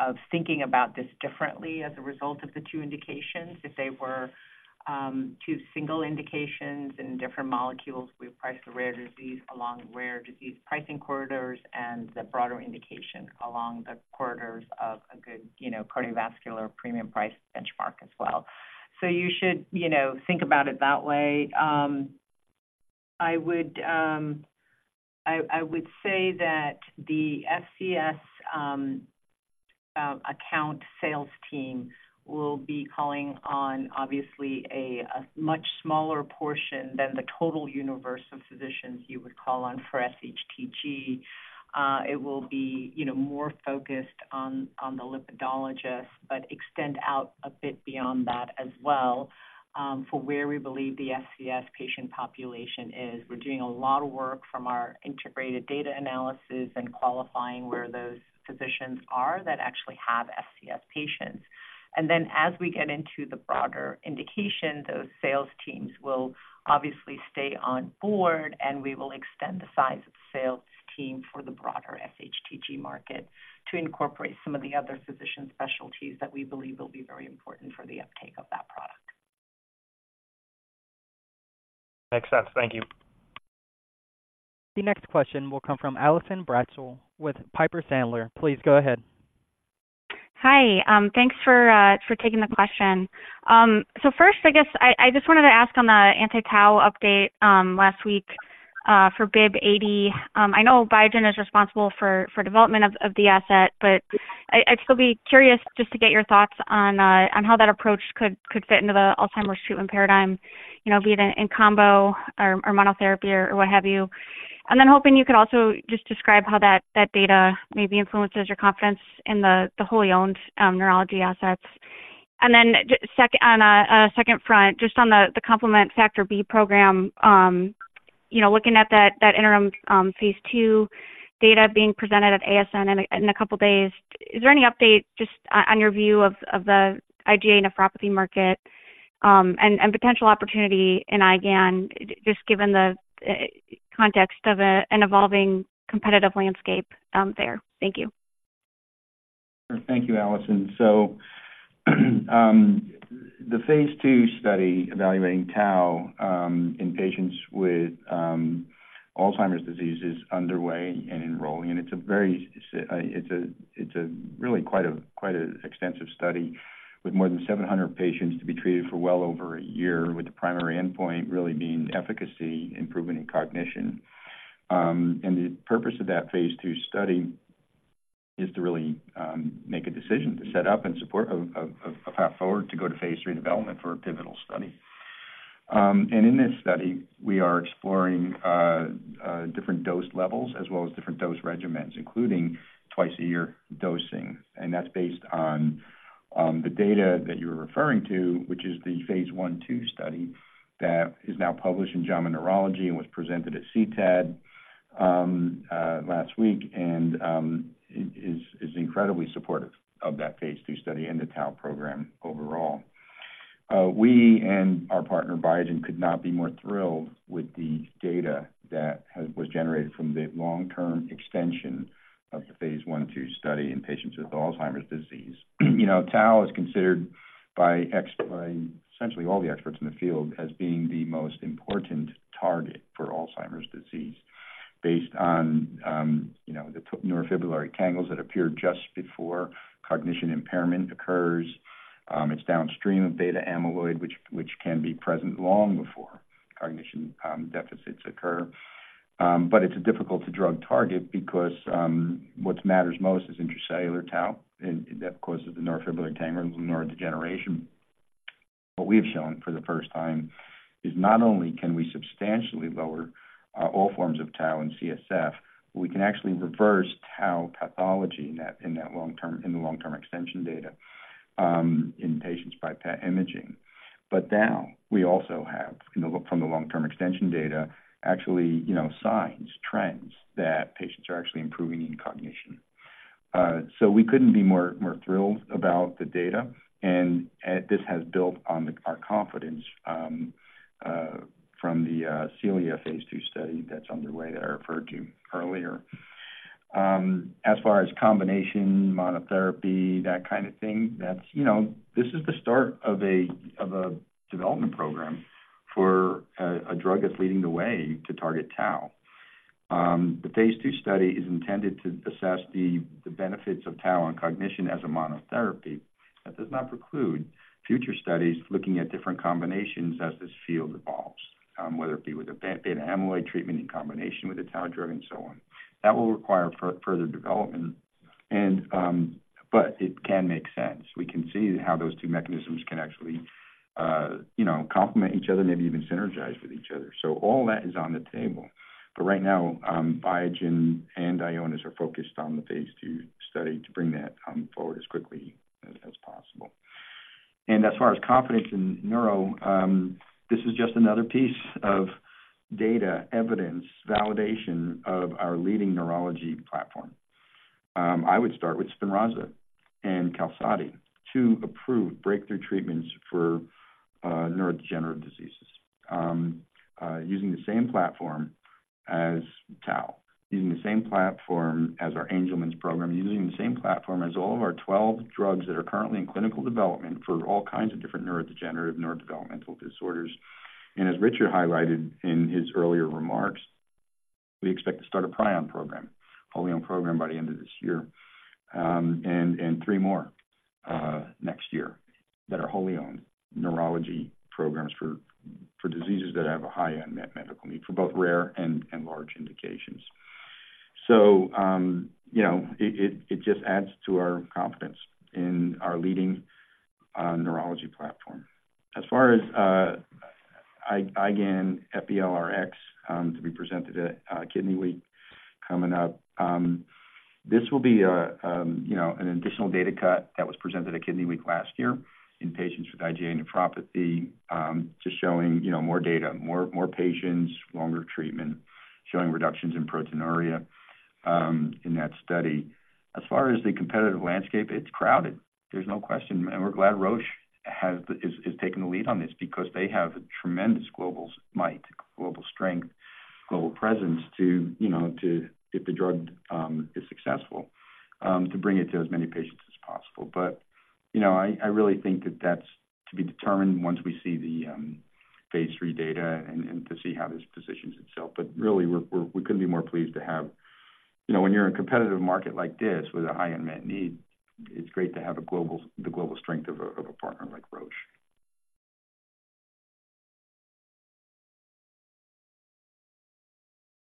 Speaker 4: of thinking about this differently as a result of the two indications. If they were, two single indications and different molecules, we price the rare disease along rare disease pricing corridors and the broader indication along the corridors of a good, you know, cardiovascular premium price benchmark as well. So you should, you know, think about it that way. I would say that the FCS account sales team will be calling on obviously a much smaller portion than the total universe of physicians you would call on for SHTG. It will be, you know, more focused on the lipidologist, but extend out a bit beyond that as well, for where we believe the FCS patient population is. We're doing a lot of work from our integrated data analysis and qualifying where those physicians are that actually have FCS patients. And then as we get into the broader indication, those sales teams will obviously stay on board, and we will extend the size of the sales team for the broader SHTG market to incorporate some of the other physician specialties that we believe will be very important for the uptake of that product.
Speaker 10: Makes sense. Thank you.
Speaker 1: The next question will come from Allison Bratzel with Piper Sandler. Please go ahead.
Speaker 11: Hi. Thanks for taking the question. So first, I guess I just wanted to ask on the anti-tau update last week for BIIB080. I know Biogen is responsible for development of the asset, but I'd still be curious just to get your thoughts on how that approach could fit into the Alzheimer's treatment paradigm. You know, be it in combo or monotherapy or what have you. And then hoping you could also just describe how that data maybe influences your confidence in the wholly owned neurology assets. And then just second, on a second front, just on the complement factor B program, you know, looking at that interim phase II data being presented at ASN in a couple of days. Is there any update just on your view of the IgA nephropathy market, and potential opportunity in IgAN, just given the context of an evolving competitive landscape there? Thank you.
Speaker 3: Thank you, Allison. So, the phase II study evaluating tau in patients with Alzheimer's disease is underway and enrolling, and it's a really quite a extensive study with more than 700 patients to be treated for well over a year, with the primary endpoint really being efficacy, improvement in cognition. And the purpose of that phase II study is to really make a decision to set up in support of a path forward to go to phase III development for a pivotal study. And in this study, we are exploring different dose levels as well as different dose regimens, including twice-a-year dosing. That's based on the data that you're referring to, which is the phase I/II study that is now published in JAMA Neurology and was presented at CTAD last week and is incredibly supportive of that phase II study and the tau program overall. We and our partner, Biogen, could not be more thrilled with the data that has, was generated from the long-term extension of the phase I/II study in patients with Alzheimer's disease. You know, tau is considered by [inaudible] essentially all the experts in the field as being the most important target for Alzheimer's disease, based on you know, the neurofibrillary tangles that appear just before cognition impairment occurs. It's downstream of beta amyloid, which, which can be present long before cognition deficits occur. But it's difficult to drug target because what matters most is intracellular tau, and that, of course, is the neurofibrillary tangles and neurodegeneration. What we've shown for the first time is not only can we substantially lower all forms of tau and CSF, we can actually reverse tau pathology in the long-term extension data in patients by PET imaging. But now we also have, from the long-term extension data, actually, you know, signs, trends that patients are actually improving in cognition. So we couldn't be more thrilled about the data, and this has built on our confidence from the CELIA phase II study that's underway, that I referred to earlier. As far as combination, monotherapy, that kind of thing, that's, you know, this is the start of a, of a development program for a, a drug that's leading the way to target tau. The phase two study is intended to assess the, the benefits of tau on cognition as a monotherapy. That does not preclude future studies looking at different combinations as this field evolves, whether it be with a beta amyloid treatment in combination with a tau drug and so on. That will require further development and, but it can make sense. We can see how those two mechanisms can actually, you know, complement each other, maybe even synergize with each other. So all that is on the table. But right now, Biogen and Ionis are focused on the phase two study to bring that, forward as quickly as possible. As far as confidence in neuro, this is just another piece of data, evidence, validation of our leading neurology platform. I would start with SPINRAZA and QALSODY, two approved breakthrough treatments for neurodegenerative diseases. Using the same platform as tau, using the same platform as our Angelman’s program, using the same platform as all of our 12 drugs that are currently in clinical development for all kinds of different neurodegenerative, neurodevelopmental disorders. As Richard highlighted in his earlier remarks, we expect to start a prion program, wholly owned program, by the end of this year, and three more next year that are wholly-owned neurology programs for diseases that have a high unmet medical need for both rare and large indications. So, you know, it just adds to our confidence in our leading neurology platform. As far as IgAN, IONIS-FB-LRx to be presented at Kidney Week coming up, this will be a, you know, an additional data cut that was presented at Kidney Week last year in patients with IgA nephropathy, just showing, you know, more data, more patients, longer treatment, showing reductions in proteinuria in that study. As far as the competitive landscape, it's crowded. There's no question, and we're glad Roche is taking the lead on this because they have a tremendous global might, global strength, global presence to, you know, if the drug is successful to bring it to as many patients as possible. But, you know, I really think that that's to be determined once we see the phase III data and to see how this positions itself. But really, we couldn't be more pleased to have, you know, when you're in a competitive market like this with a high unmet need, it's great to have the global strength of a partner like Roche.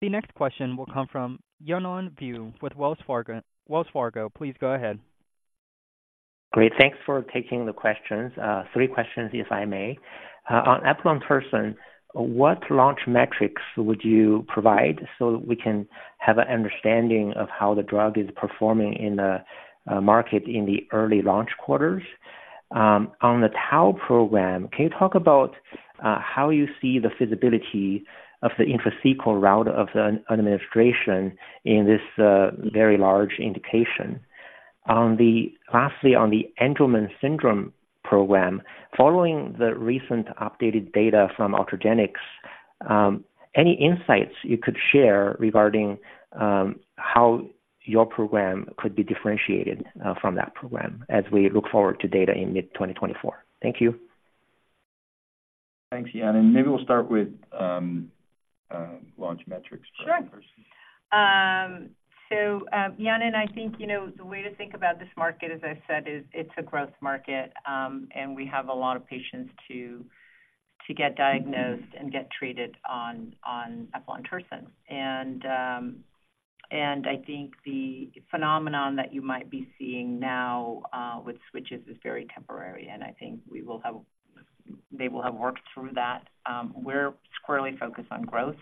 Speaker 1: The next question will come from Yanan Zhu with Wells Fargo. Wells Fargo, please go ahead.
Speaker 12: Great. Thanks for taking the questions. Three questions, if I may. On eplontersen, what launch metrics would you provide so that we can have an understanding of how the drug is performing in the market in the early launch quarters? On the tau program, can you talk about how you see the feasibility of the intrathecal route of an administration in this very large indication? Lastly, on the Angelman syndrome program, following the recent updated data from Ultragenyx, any insights you could share regarding how your program could be differentiated from that program as we look forward to data in mid-2024? Thank you.
Speaker 3: Thanks, Yanan. Maybe we'll start with launch metrics for eplontersen.
Speaker 4: Sure. So, Yanan, I think, you know, the way to think about this market, as I said, is it's a growth market, and we have a lot of patients to get diagnosed and get treated on eplontersen. And, and I think the phenomenon that you might be seeing now, with switches is very temporary, and I think we will have, they will have worked through that. We're squarely focused on growth,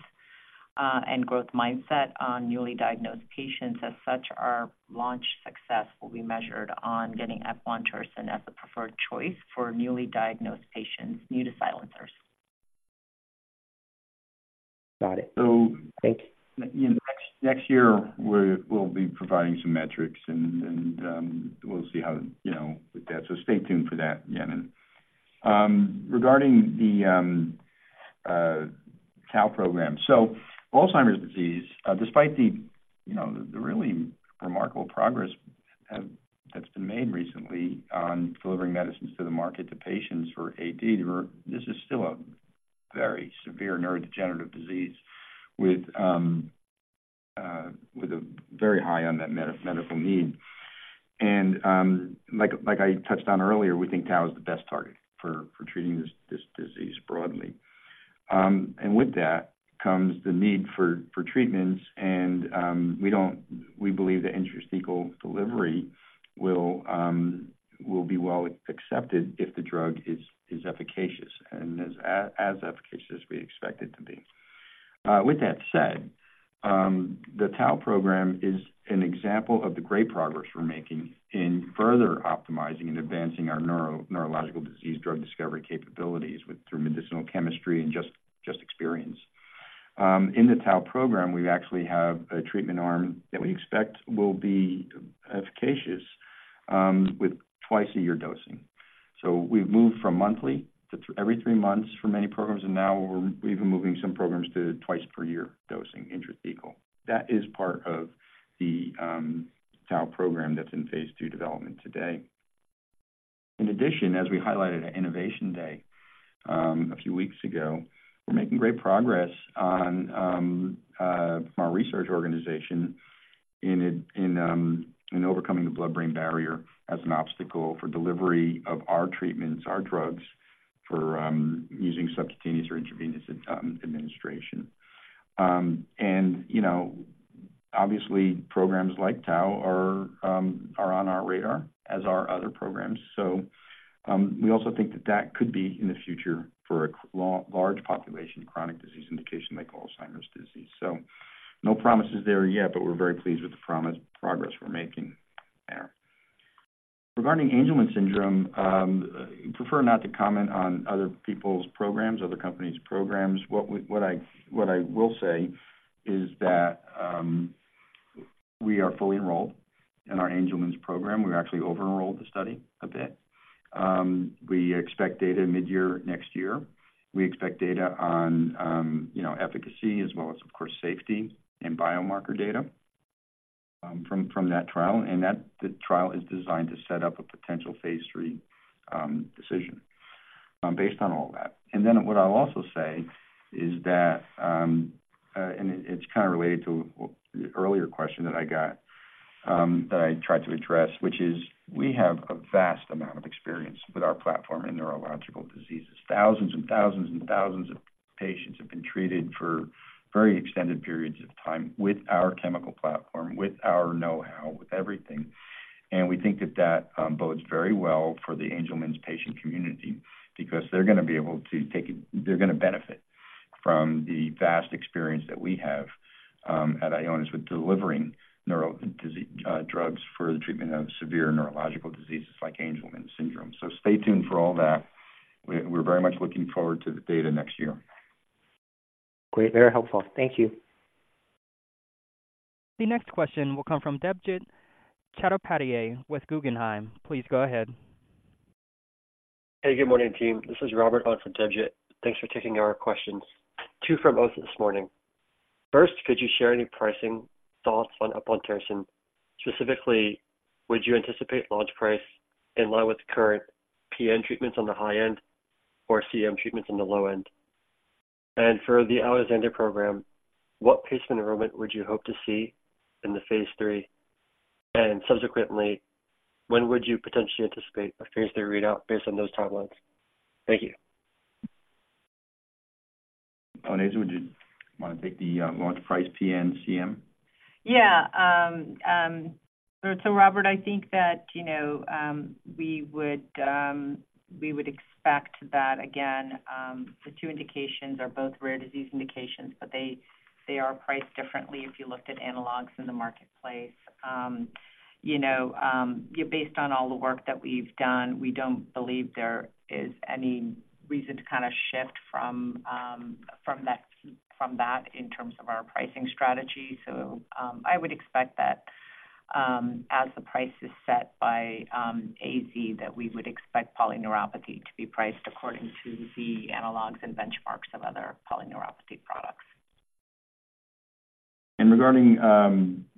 Speaker 4: and growth mindset on newly diagnosed patients. As such, our launch success will be measured on getting eplontersen as the preferred choice for newly diagnosed patients new to silencers.
Speaker 12: Got it. Thank you.
Speaker 3: So, you know, next year, we'll be providing some metrics, and we'll see how, you know, with that. So stay tuned for that, Yanan. Regarding the tau program. So Alzheimer's disease, despite the, you know, the really remarkable progress that's been made recently on delivering medicines to the market, to patients for AD, this is still a very severe neurodegenerative disease with a very high unmet medical need. And, like, I touched on earlier, we think tau is the best target for treating this disease broadly. And with that comes the need for treatments, and we don't, we believe the intrathecal delivery will be well accepted if the drug is efficacious and as efficacious as we expect it to be. With that said, the tau program is an example of the great progress we're making in further optimizing and advancing our neuro, neurological disease drug discovery capabilities with through medicinal chemistry and just experience. In the tau program, we actually have a treatment arm that we expect will be efficacious with twice-a-year dosing. So we've moved from monthly to every three months for many programs, and now we're even moving some programs to twice per year dosing, intrathecal. That is part of the tau program that's in phase II development today. In addition, as we highlighted at Innovation Day a few weeks ago, we're making great progress on our research organization in overcoming the blood-brain barrier as an obstacle for delivery of our treatments, our drugs, for using subcutaneous or intravenous administration. And, you know, obviously, programs like tau are on our radar, as are other programs. So, we also think that that could be in the future for a large population, chronic disease indication like Alzheimer's disease. So no promises there yet, but we're very pleased with the progress we're making there. Regarding Angelman syndrome, prefer not to comment on other people's programs, other companies' programs. What I will say is that, we are fully enrolled in our Angelman's program. We've actually over-enrolled the study a bit. We expect data midyear next year. We expect data on, you know, efficacy as well as, of course, safety and biomarker data from that trial, and that the trial is designed to set up a potential phase III decision based on all that. And then what I'll also say is that, it's kind of related to the earlier question that I got, that I tried to address, which is we have a vast amount of experience with our platform in neurological diseases. Thousands and thousands and thousands of patients have been treated for very extended periods of time with our chemical platform, with our know-how, with everything. And we think that that bodes very well for the Angelman patient community because they're gonna be able to take it. They're gonna benefit from the vast experience that we have at Ionis, with delivering neuro disease drugs for the treatment of severe neurological diseases like Angelman syndrome. So stay tuned for all that. We're very much looking forward to the data next year.
Speaker 12: Great. Very helpful. Thank you.
Speaker 1: The next question will come from Debjit Chattopadhyay with Guggenheim. Please go ahead.
Speaker 13: Hey, good morning, team. This is Robert on for Debjit. Thanks for taking our questions. Two from us this morning. First, could you share any pricing thoughts on eplontersen? Specifically, would you anticipate launch price in line with current PN treatments on the high end or CM treatments on the low end? And for the Alexander program, what patient enrollment would you hope to see in the phase III, and subsequently, when would you potentially anticipate a phase III readout based on those timelines? Thank you.
Speaker 3: Would you want to take the launch price, PN, CM?
Speaker 4: Yeah, so Robert, I think that, you know, we would expect that again, the two indications are both rare disease indications, but they are priced differently if you looked at analogs in the marketplace. You know, based on all the work that we've done, we don't believe there is any reason to kind of shift from that in terms of our pricing strategy. So, I would expect that, as the price is set by AZ, that we would expect polyneuropathy to be priced according to the analogs and benchmarks of other polyneuropathy products.
Speaker 3: Regarding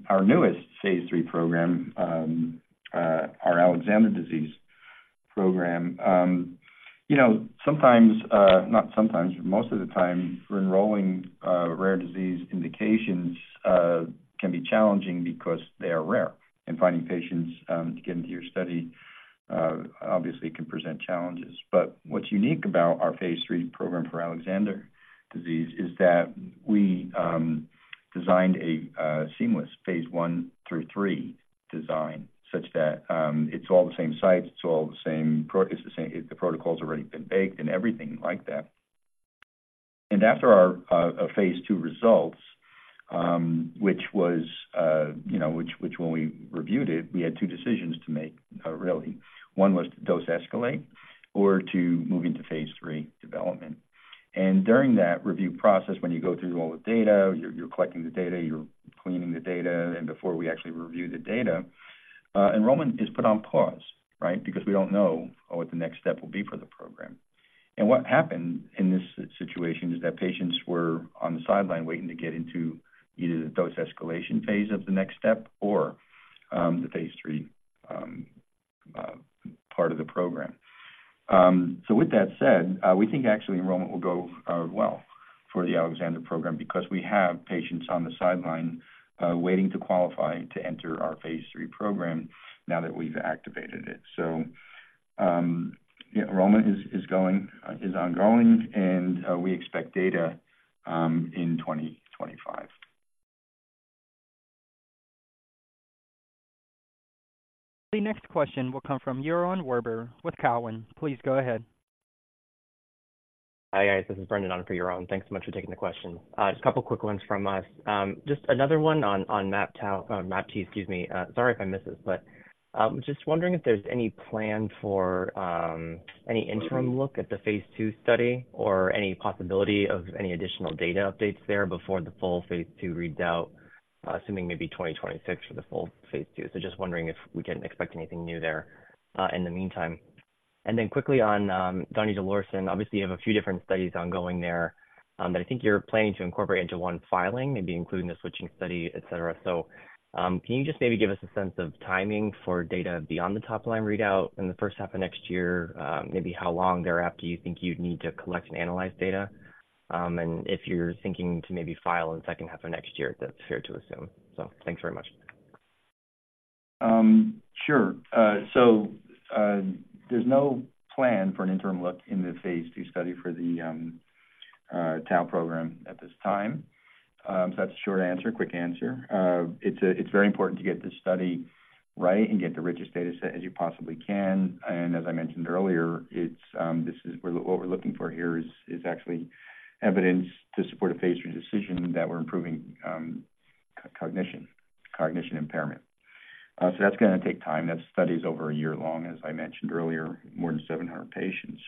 Speaker 3: our newest phase III program, our Alexander disease program, you know, sometimes, not sometimes, but most of the time, we're enrolling rare disease indications can be challenging because they are rare. And finding patients to get into your study obviously can present challenges. But what's unique about our phase III program for Alexander disease is that we designed a seamless phase I through III design, such that it's all the same sites, it's all the same. The protocol's already been baked and everything like that. And after our phase II results, which was, you know, when we reviewed it, we had two decisions to make, really. One was to dose escalate or to move into phase III development. During that review process, when you go through all the data, you're collecting the data, you're cleaning the data, and before we actually review the data, enrollment is put on pause, right? Because we don't know what the next step will be for the program. What happened in this situation is that patients were on the sideline waiting to get into either the dose escalation phase of the next step or the phase III part of the program. So with that said, we think actually enrollment will go well for the Alexander program because we have patients on the sideline waiting to qualify to enter our phase III program now that we've activated it. So, yeah, enrollment is going, is ongoing, and we expect data in 2025.
Speaker 1: The next question will come from Yaron Werber with Cowen. Please go ahead.
Speaker 14: Hi, guys. This is Brendan on for Yaron. Thanks so much for taking the question. Just a couple quick ones from us. Just another one on MAPT, excuse me. Sorry if I missed this, but just wondering if there's any plan for any interim look at the phase II study or any possibility of any additional data updates there before the full phase II readout, assuming maybe 2026 for the full phase II. So just wondering if we can expect anything new there in the meantime. And then quickly on donidalorsen. Obviously, you have a few different studies ongoing there that I think you're planning to incorporate into one filing, maybe including the switching study, et cetera. Can you just maybe give us a sense of timing for data beyond the top-line readout in the first half of next year? Maybe how long thereafter you think you'd need to collect and analyze data? And if you're thinking to maybe file in the second half of next year, if that's fair to assume. Thanks very much.
Speaker 3: Sure. So, there's no plan for an interim look in the phase II study for the tau program at this time. So that's a short answer, quick answer. It's very important to get this study right and get the richest data set as you possibly can. And as I mentioned earlier, this is what we're looking for here is actually evidence to support a phase III decision that we're improving cognition impairment. So that's gonna take time. That study is over a year long, as I mentioned earlier, more than 700 patients.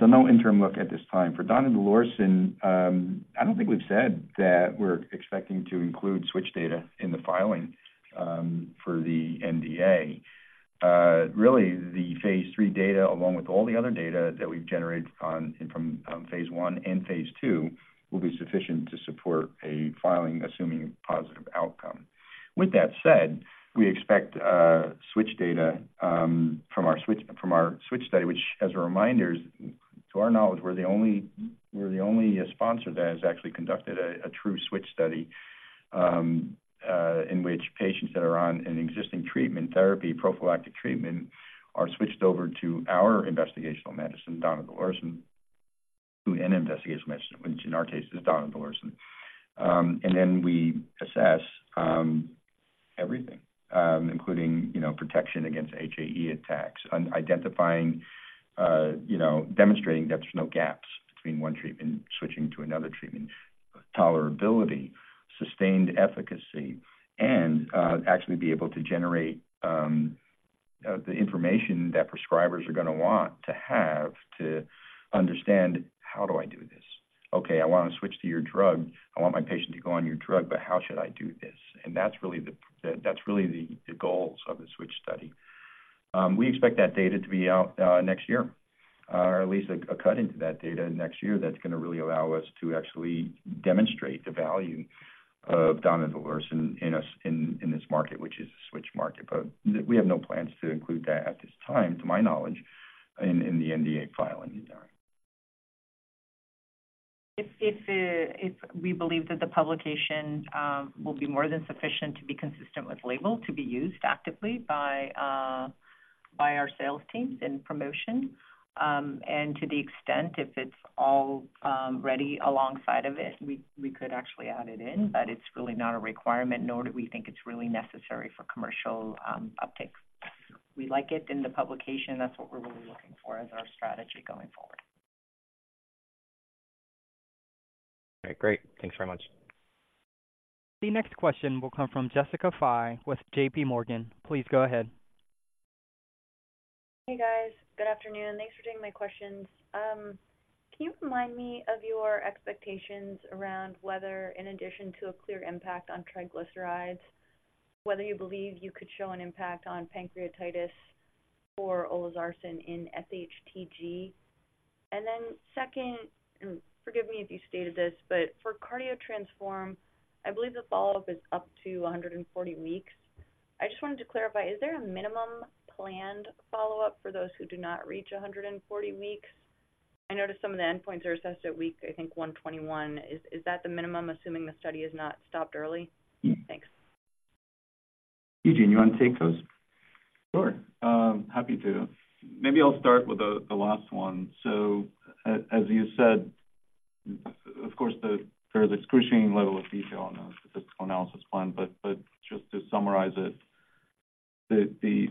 Speaker 3: So no interim look at this time. For donidalorsen, I don't think we've said that we're expecting to include switch data in the filing for the NDA. Really, the phase III data, along with all the other data that we've generated from phase I and phase II, will be sufficient to support a filing, assuming a positive outcome. With that said, we expect switch data from our switch study, which, as a reminder, to our knowledge, we're the only sponsor that has actually conducted a true switch study in which patients that are on an existing treatment therapy, prophylactic treatment, are switched over to our investigational medicine, donidalorsen, to an investigational medicine, which in our case is donidalorsen. And then we assess everything, including, you know, protection against HAE attacks, on identifying, you know, demonstrating that there's no gaps between one treatment switching to another treatment, tolerability, sustained efficacy, and actually be able to generate the information that prescribers are going to want to have to understand: How do I do this? Okay, I want to switch to your drug. I want my patient to go on your drug, but how should I do this? And that's really the, that's really the goals of the switch study. We expect that data to be out next year, or at least a cut into that data next year. That's going to really allow us to actually demonstrate the value of donidalorsen in this market, which is a switch market. But we have no plans to include that at this time, to my knowledge, in the NDA filing.
Speaker 4: If we believe that the publication will be more than sufficient to be consistent with label, to be used actively by our sales teams in promotion. And to the extent, if it's all ready alongside of it, we could actually add it in, but it's really not a requirement, nor do we think it's really necessary for commercial uptake. We like it in the publication. That's what we're really looking for as our strategy going forward.
Speaker 14: All right, great. Thanks very much.
Speaker 1: The next question will come from Jessica Fye with JP Morgan. Please go ahead.
Speaker 15: Hey, guys. Good afternoon. Thanks for taking my questions. Can you remind me of your expectations around whether, in addition to a clear impact on triglycerides, whether you believe you could show an impact on pancreatitis for olezarsen in SHTG? And then second, and forgive me if you stated this, but for CARDIO-TTRansform, I believe the follow-up is up to 140 weeks. I just wanted to clarify, is there a minimum planned follow-up for those who do not reach 140 weeks? I noticed some of the endpoints are assessed at week, I think, 121. Is that the minimum, assuming the study is not stopped early? Thanks.
Speaker 3: Eugene, you want to take those?
Speaker 16: Sure. Happy to. Maybe I'll start with the last one. So as you said, of course, there is excruciating level of detail on the statistical analysis plan. But just to summarize it, the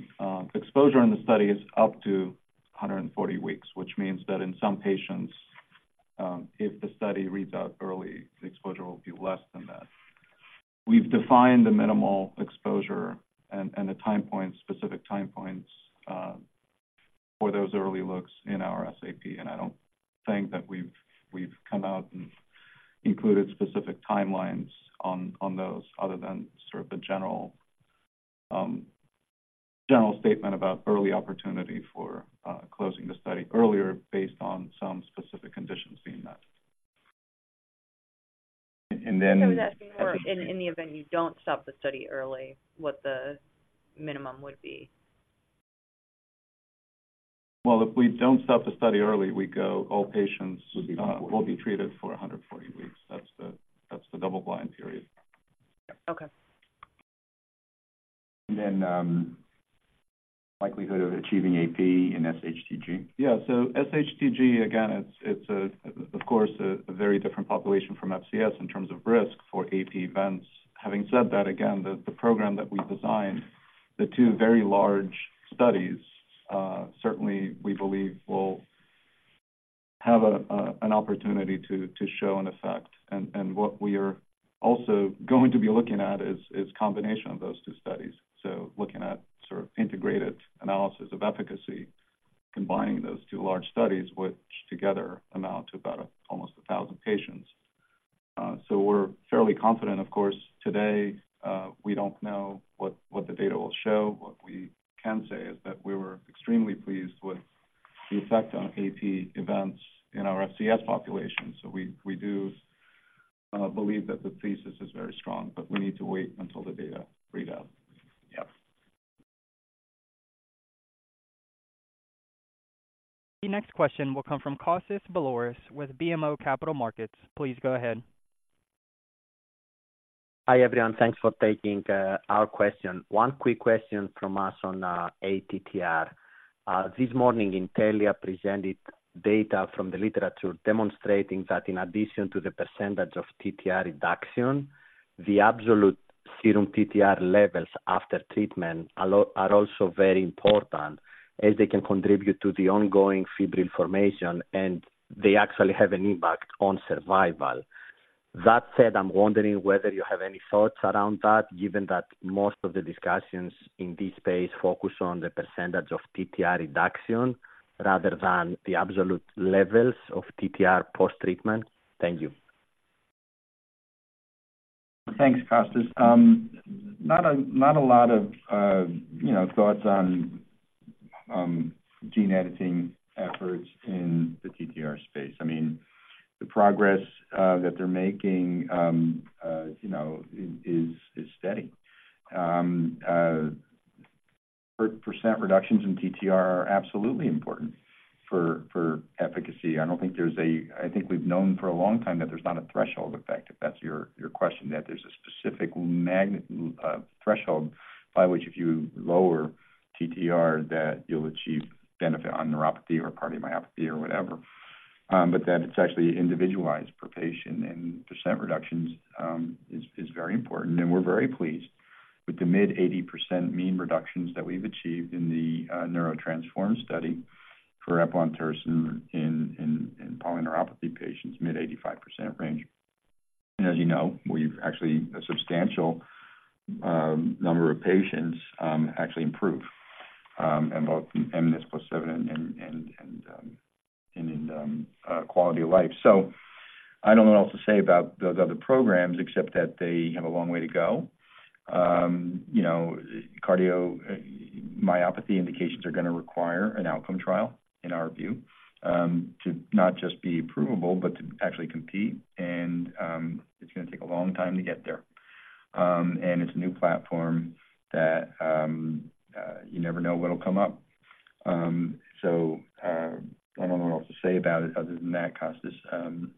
Speaker 16: exposure in the study is up to 140 weeks, which means that in some patients, if the study reads out early, the exposure will be less than that. We've defined the minimal exposure and the time points, specific time points, for those early looks in our SAP, and I don't think that we've come out and included specific timelines on those other than sort of the general statement about early opportunity for closing the study earlier based on some specific conditions being met. And then.
Speaker 15: I was asking more.
Speaker 4: In the event you don't stop the study early, what the minimum would be.
Speaker 16: Well, if we don't stop the study early, we go, all patients will be treated for 140 weeks. That's the double-blind period.
Speaker 15: Okay.
Speaker 3: Then, likelihood of achieving AP in SHTG.
Speaker 16: Yeah. So SHTG, again, it's a very different population from FCS in terms of risk for AP events. Having said that, again, the program that we designed, the two very large studies, certainly we believe will have an opportunity to show an effect. And what we are also going to be looking at is combination of those two studies. So looking at sort of integrated analysis of efficacy, combining those two large studies, which together amount to about almost 1,000 patients. So we're fairly confident, of course, today, we don't know what the data will show. What we can say is that we were extremely pleased with the effect on AP events in our FCS population, so we do believe that the thesis is very strong, but we need to wait until the data read out.
Speaker 3: Yep.
Speaker 1: The next question will come from Kostas Biliouris with BMO Capital Markets. Please go ahead.
Speaker 17: Hi, everyone. Thanks for taking our question. One quick question from us on ATTR. This morning, Intellia presented data from the literature demonstrating that in addition to the percentage of TTR reduction, the absolute serum TTR levels after treatment are also very important, as they can contribute to the ongoing fibrin formation, and they actually have an impact on survival. That said, I'm wondering whether you have any thoughts around that, given that most of the discussions in this space focus on the percentage of TTR reduction rather than the absolute levels of TTR post-treatment. Thank you.
Speaker 3: Thanks, Kostas. Not a lot of, you know, thoughts on gene editing efforts in the TTR space. I mean, the progress that they're making, you know, is steady. Percent reductions in TTR are absolutely important for efficacy. I don't think there's a, I think we've known for a long time that there's not a threshold effect, if that's your question, that there's a specific magnitude threshold by which if you lower TTR, that you'll achieve benefit on neuropathy or cardiomyopathy or whatever. But that it's actually individualized per patient, and percent reductions is very important. And we're very pleased with the mid-80% mean reductions that we've achieved in the NEURO-TTRansform study for eplontersen in polyneuropathy patients, mid-85% range. As you know, we've actually a substantial number of patients actually improved in both mNIS+7 and in quality of life. So I don't know what else to say about those other programs, except that they have a long way to go. You know, cardiomyopathy indications are going to require an outcome trial, in our view, to not just be approvable, but to actually compete. And it's going to take a long time to get there. And it's a new platform that you never know what'll come up. So I don't know what else to say about it other than that, Kostas,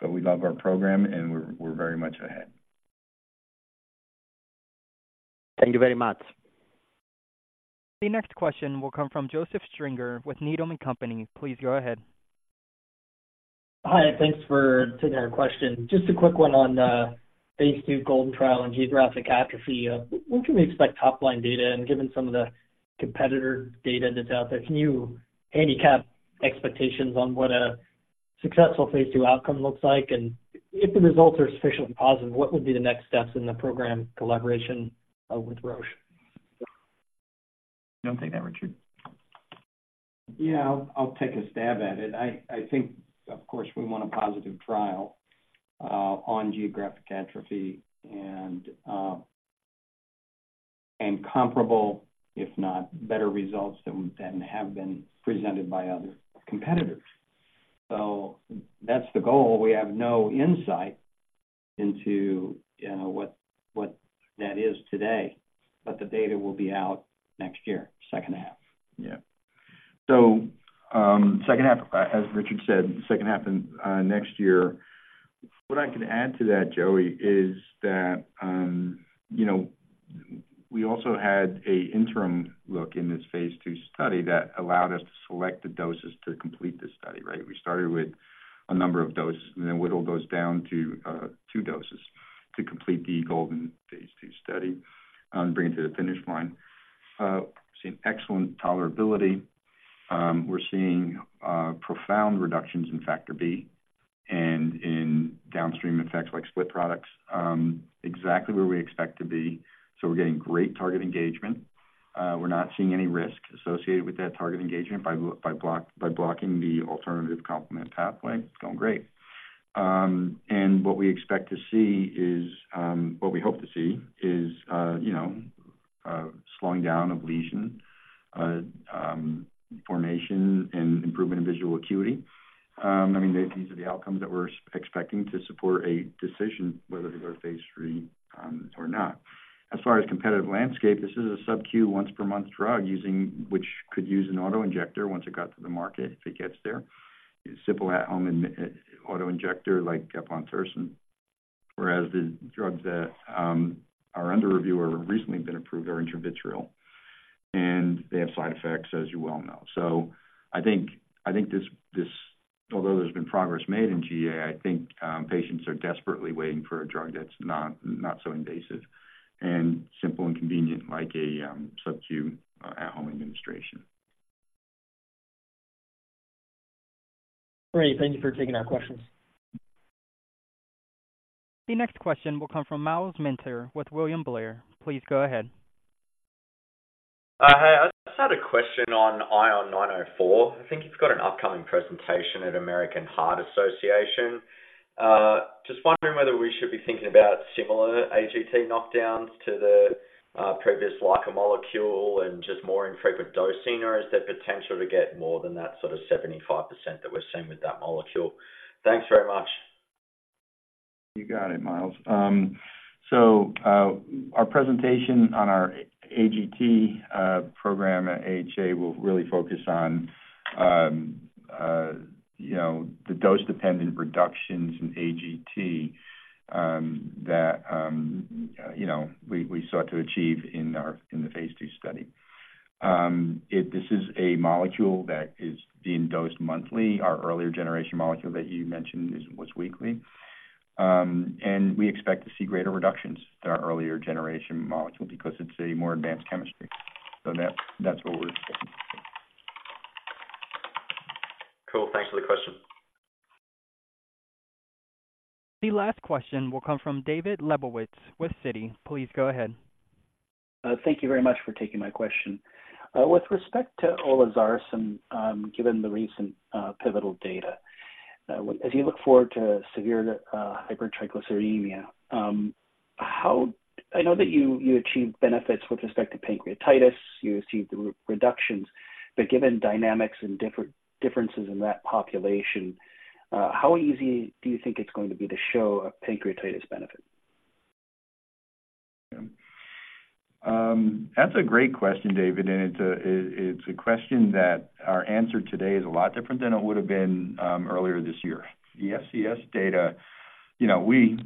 Speaker 3: but we love our program, and we're very much ahead.
Speaker 17: Thank you very much.
Speaker 1: The next question will come from Joseph Stringer with Needham and Company. Please go ahead.
Speaker 18: Hi, thanks for taking our question. Just a quick one on the phase two GOLDEN trial and geographic atrophy. When can we expect top-line data, and given some of the competitor data that's out there, can you handicap expectations on what a successful phase two outcome looks like? And if the results are sufficiently positive, what would be the next steps in the program collaboration with Roche?
Speaker 3: You want to take that, Richard?
Speaker 5: Yeah, I'll take a stab at it. I think, of course, we want a positive trial on geographic atrophy and comparable, if not better, results than have been presented by other competitors. So that's the goal. We have no insight into, you know, what that is today, but the data will be out next year, second half.
Speaker 3: Yeah. So, second half, as Richard said, second half of next year. What I can add to that, Joey, is that, you know, we also had an interim look in this phase II study that allowed us to select the doses to complete this study, right? We started with a number of doses, and then whittled those down to two doses to complete the GOLDEN phase II study, bring it to the finish line. Seeing excellent tolerability. We're seeing profound reductions in factor B and in downstream effects like split products, exactly where we expect to be. So we're getting great target engagement. We're not seeing any risk associated with that target engagement by blocking the alternative complement pathway. It's going great. What we expect to see is, what we hope to see is, you know, slowing down of lesion formation and improvement in visual acuity. I mean, these are the outcomes that we're expecting to support a decision whether to go to phase III, or not. As far as competitive landscape, this is a subQ once per month drug, which could use an auto-injector once it got to the market, if it gets there. Simple at-home in auto-injector like eplontersen, whereas the drugs that are under review or have recently been approved are intravitreal, and they have side effects, as you well know. So I think, although there's been progress made in GA, I think patients are desperately waiting for a drug that's not so invasive and simple and convenient, like a subQ at-home administration.
Speaker 18: Great. Thank you for taking our questions.
Speaker 1: The next question will come from Myles Minter with William Blair. Please go ahead.
Speaker 19: Hey, I just had a question on ION904. I think you've got an upcoming presentation at American Heart Association. Just wondering whether we should be thinking about similar AGT knockdowns to the previous like molecule and just more infrequent dosing, or is there potential to get more than that sort of 75% that we're seeing with that molecule? Thanks very much.
Speaker 3: You got it, Miles. So, our presentation on our AGT program at AHA will really focus on, you know, the dose-dependent reductions in AGT that, you know, we sought to achieve in the phase II study. This is a molecule that is being dosed monthly. Our earlier generation molecule that you mentioned is, was weekly. And we expect to see greater reductions than our earlier generation molecule because it's a more advanced chemistry. So that's what we're seeing.
Speaker 19: Cool. Thanks for the question.
Speaker 1: The last question will come from David Lebowitz with Citi. Please go ahead.
Speaker 20: Thank you very much for taking my question. With respect to olezarsen, given the recent pivotal data, as you look forward to severe hypertriglyceridemia, how, I know that you achieved benefits with respect to pancreatitis, you achieved the reductions, but given dynamics and differences in that population, how easy do you think it's going to be to show a pancreatitis benefit?
Speaker 3: That's a great question, David, and it's a question that our answer today is a lot different than it would have been earlier this year. The FCS data, you know, we,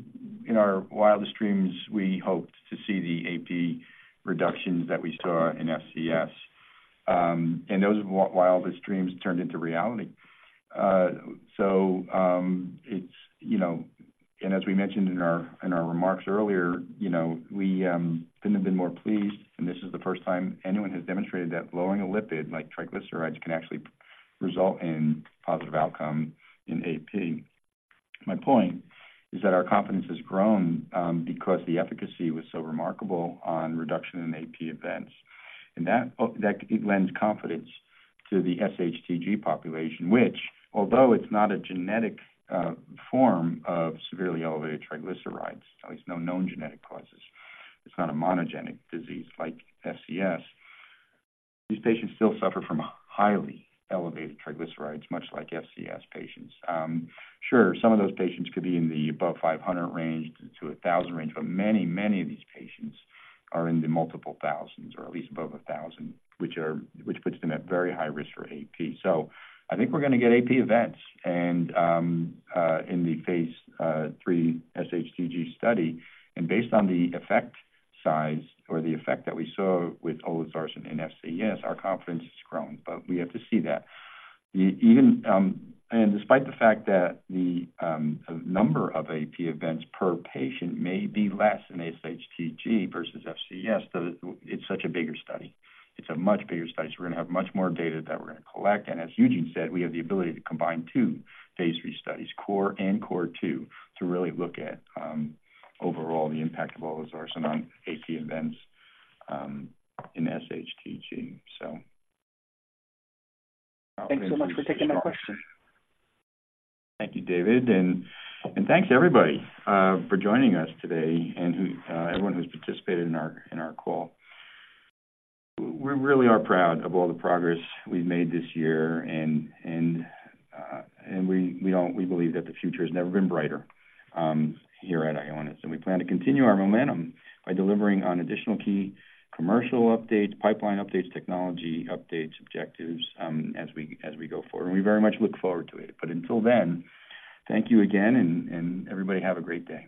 Speaker 3: in our wildest dreams, we hoped to see the AP reductions that we saw in FCS. And those wildest dreams turned into reality. So, it's, you know. And as we mentioned in our remarks earlier, you know, we couldn't have been more pleased, and this is the first time anyone has demonstrated that lowering a lipid, like triglycerides, can actually result in positive outcome in AP. My point is that our confidence has grown because the efficacy was so remarkable on reduction in AP events. That lends confidence to the SHTG population, which although it's not a genetic form of severely elevated triglycerides, at least no known genetic causes, it's not a monogenic disease like FCS. These patients still suffer from highly elevated triglycerides, much like FCS patients. Sure, some of those patients could be in the above 500 range to a 1,000 range, but many, many of these patients are in the multiple thousands, or at least above 1,000, which puts them at very high risk for AP. So, I think we're gonna get AP events in the phase III SHTG study and based on the effect size or the effect that we saw with olezarsen in FCS, our confidence has grown, but we have to see that. Even and despite the fact that the number of AP events per patient may be less in SHTG versus FCS, so it's such a bigger study. It's a much bigger study, so we're gonna have much more data that we're gonna collect. And as Eugene said, we have the ability to combine two phase III studies, CORE and CORE2, to really look at overall the impact of olezarsen on AP events in SHTG, so.
Speaker 20: Thanks so much for taking my question.
Speaker 3: Thank you, David. And thanks, everybody, for joining us today and who, everyone who's participated in our call. We really are proud of all the progress we've made this year, and we [know,] we believe that the future has never been brighter, here at Ionis. And we plan to continue our momentum by delivering on additional key commercial updates, pipeline updates, technology updates, objectives, as we go forward. And we very much look forward to it. But until then, thank you again, and everybody have a great day.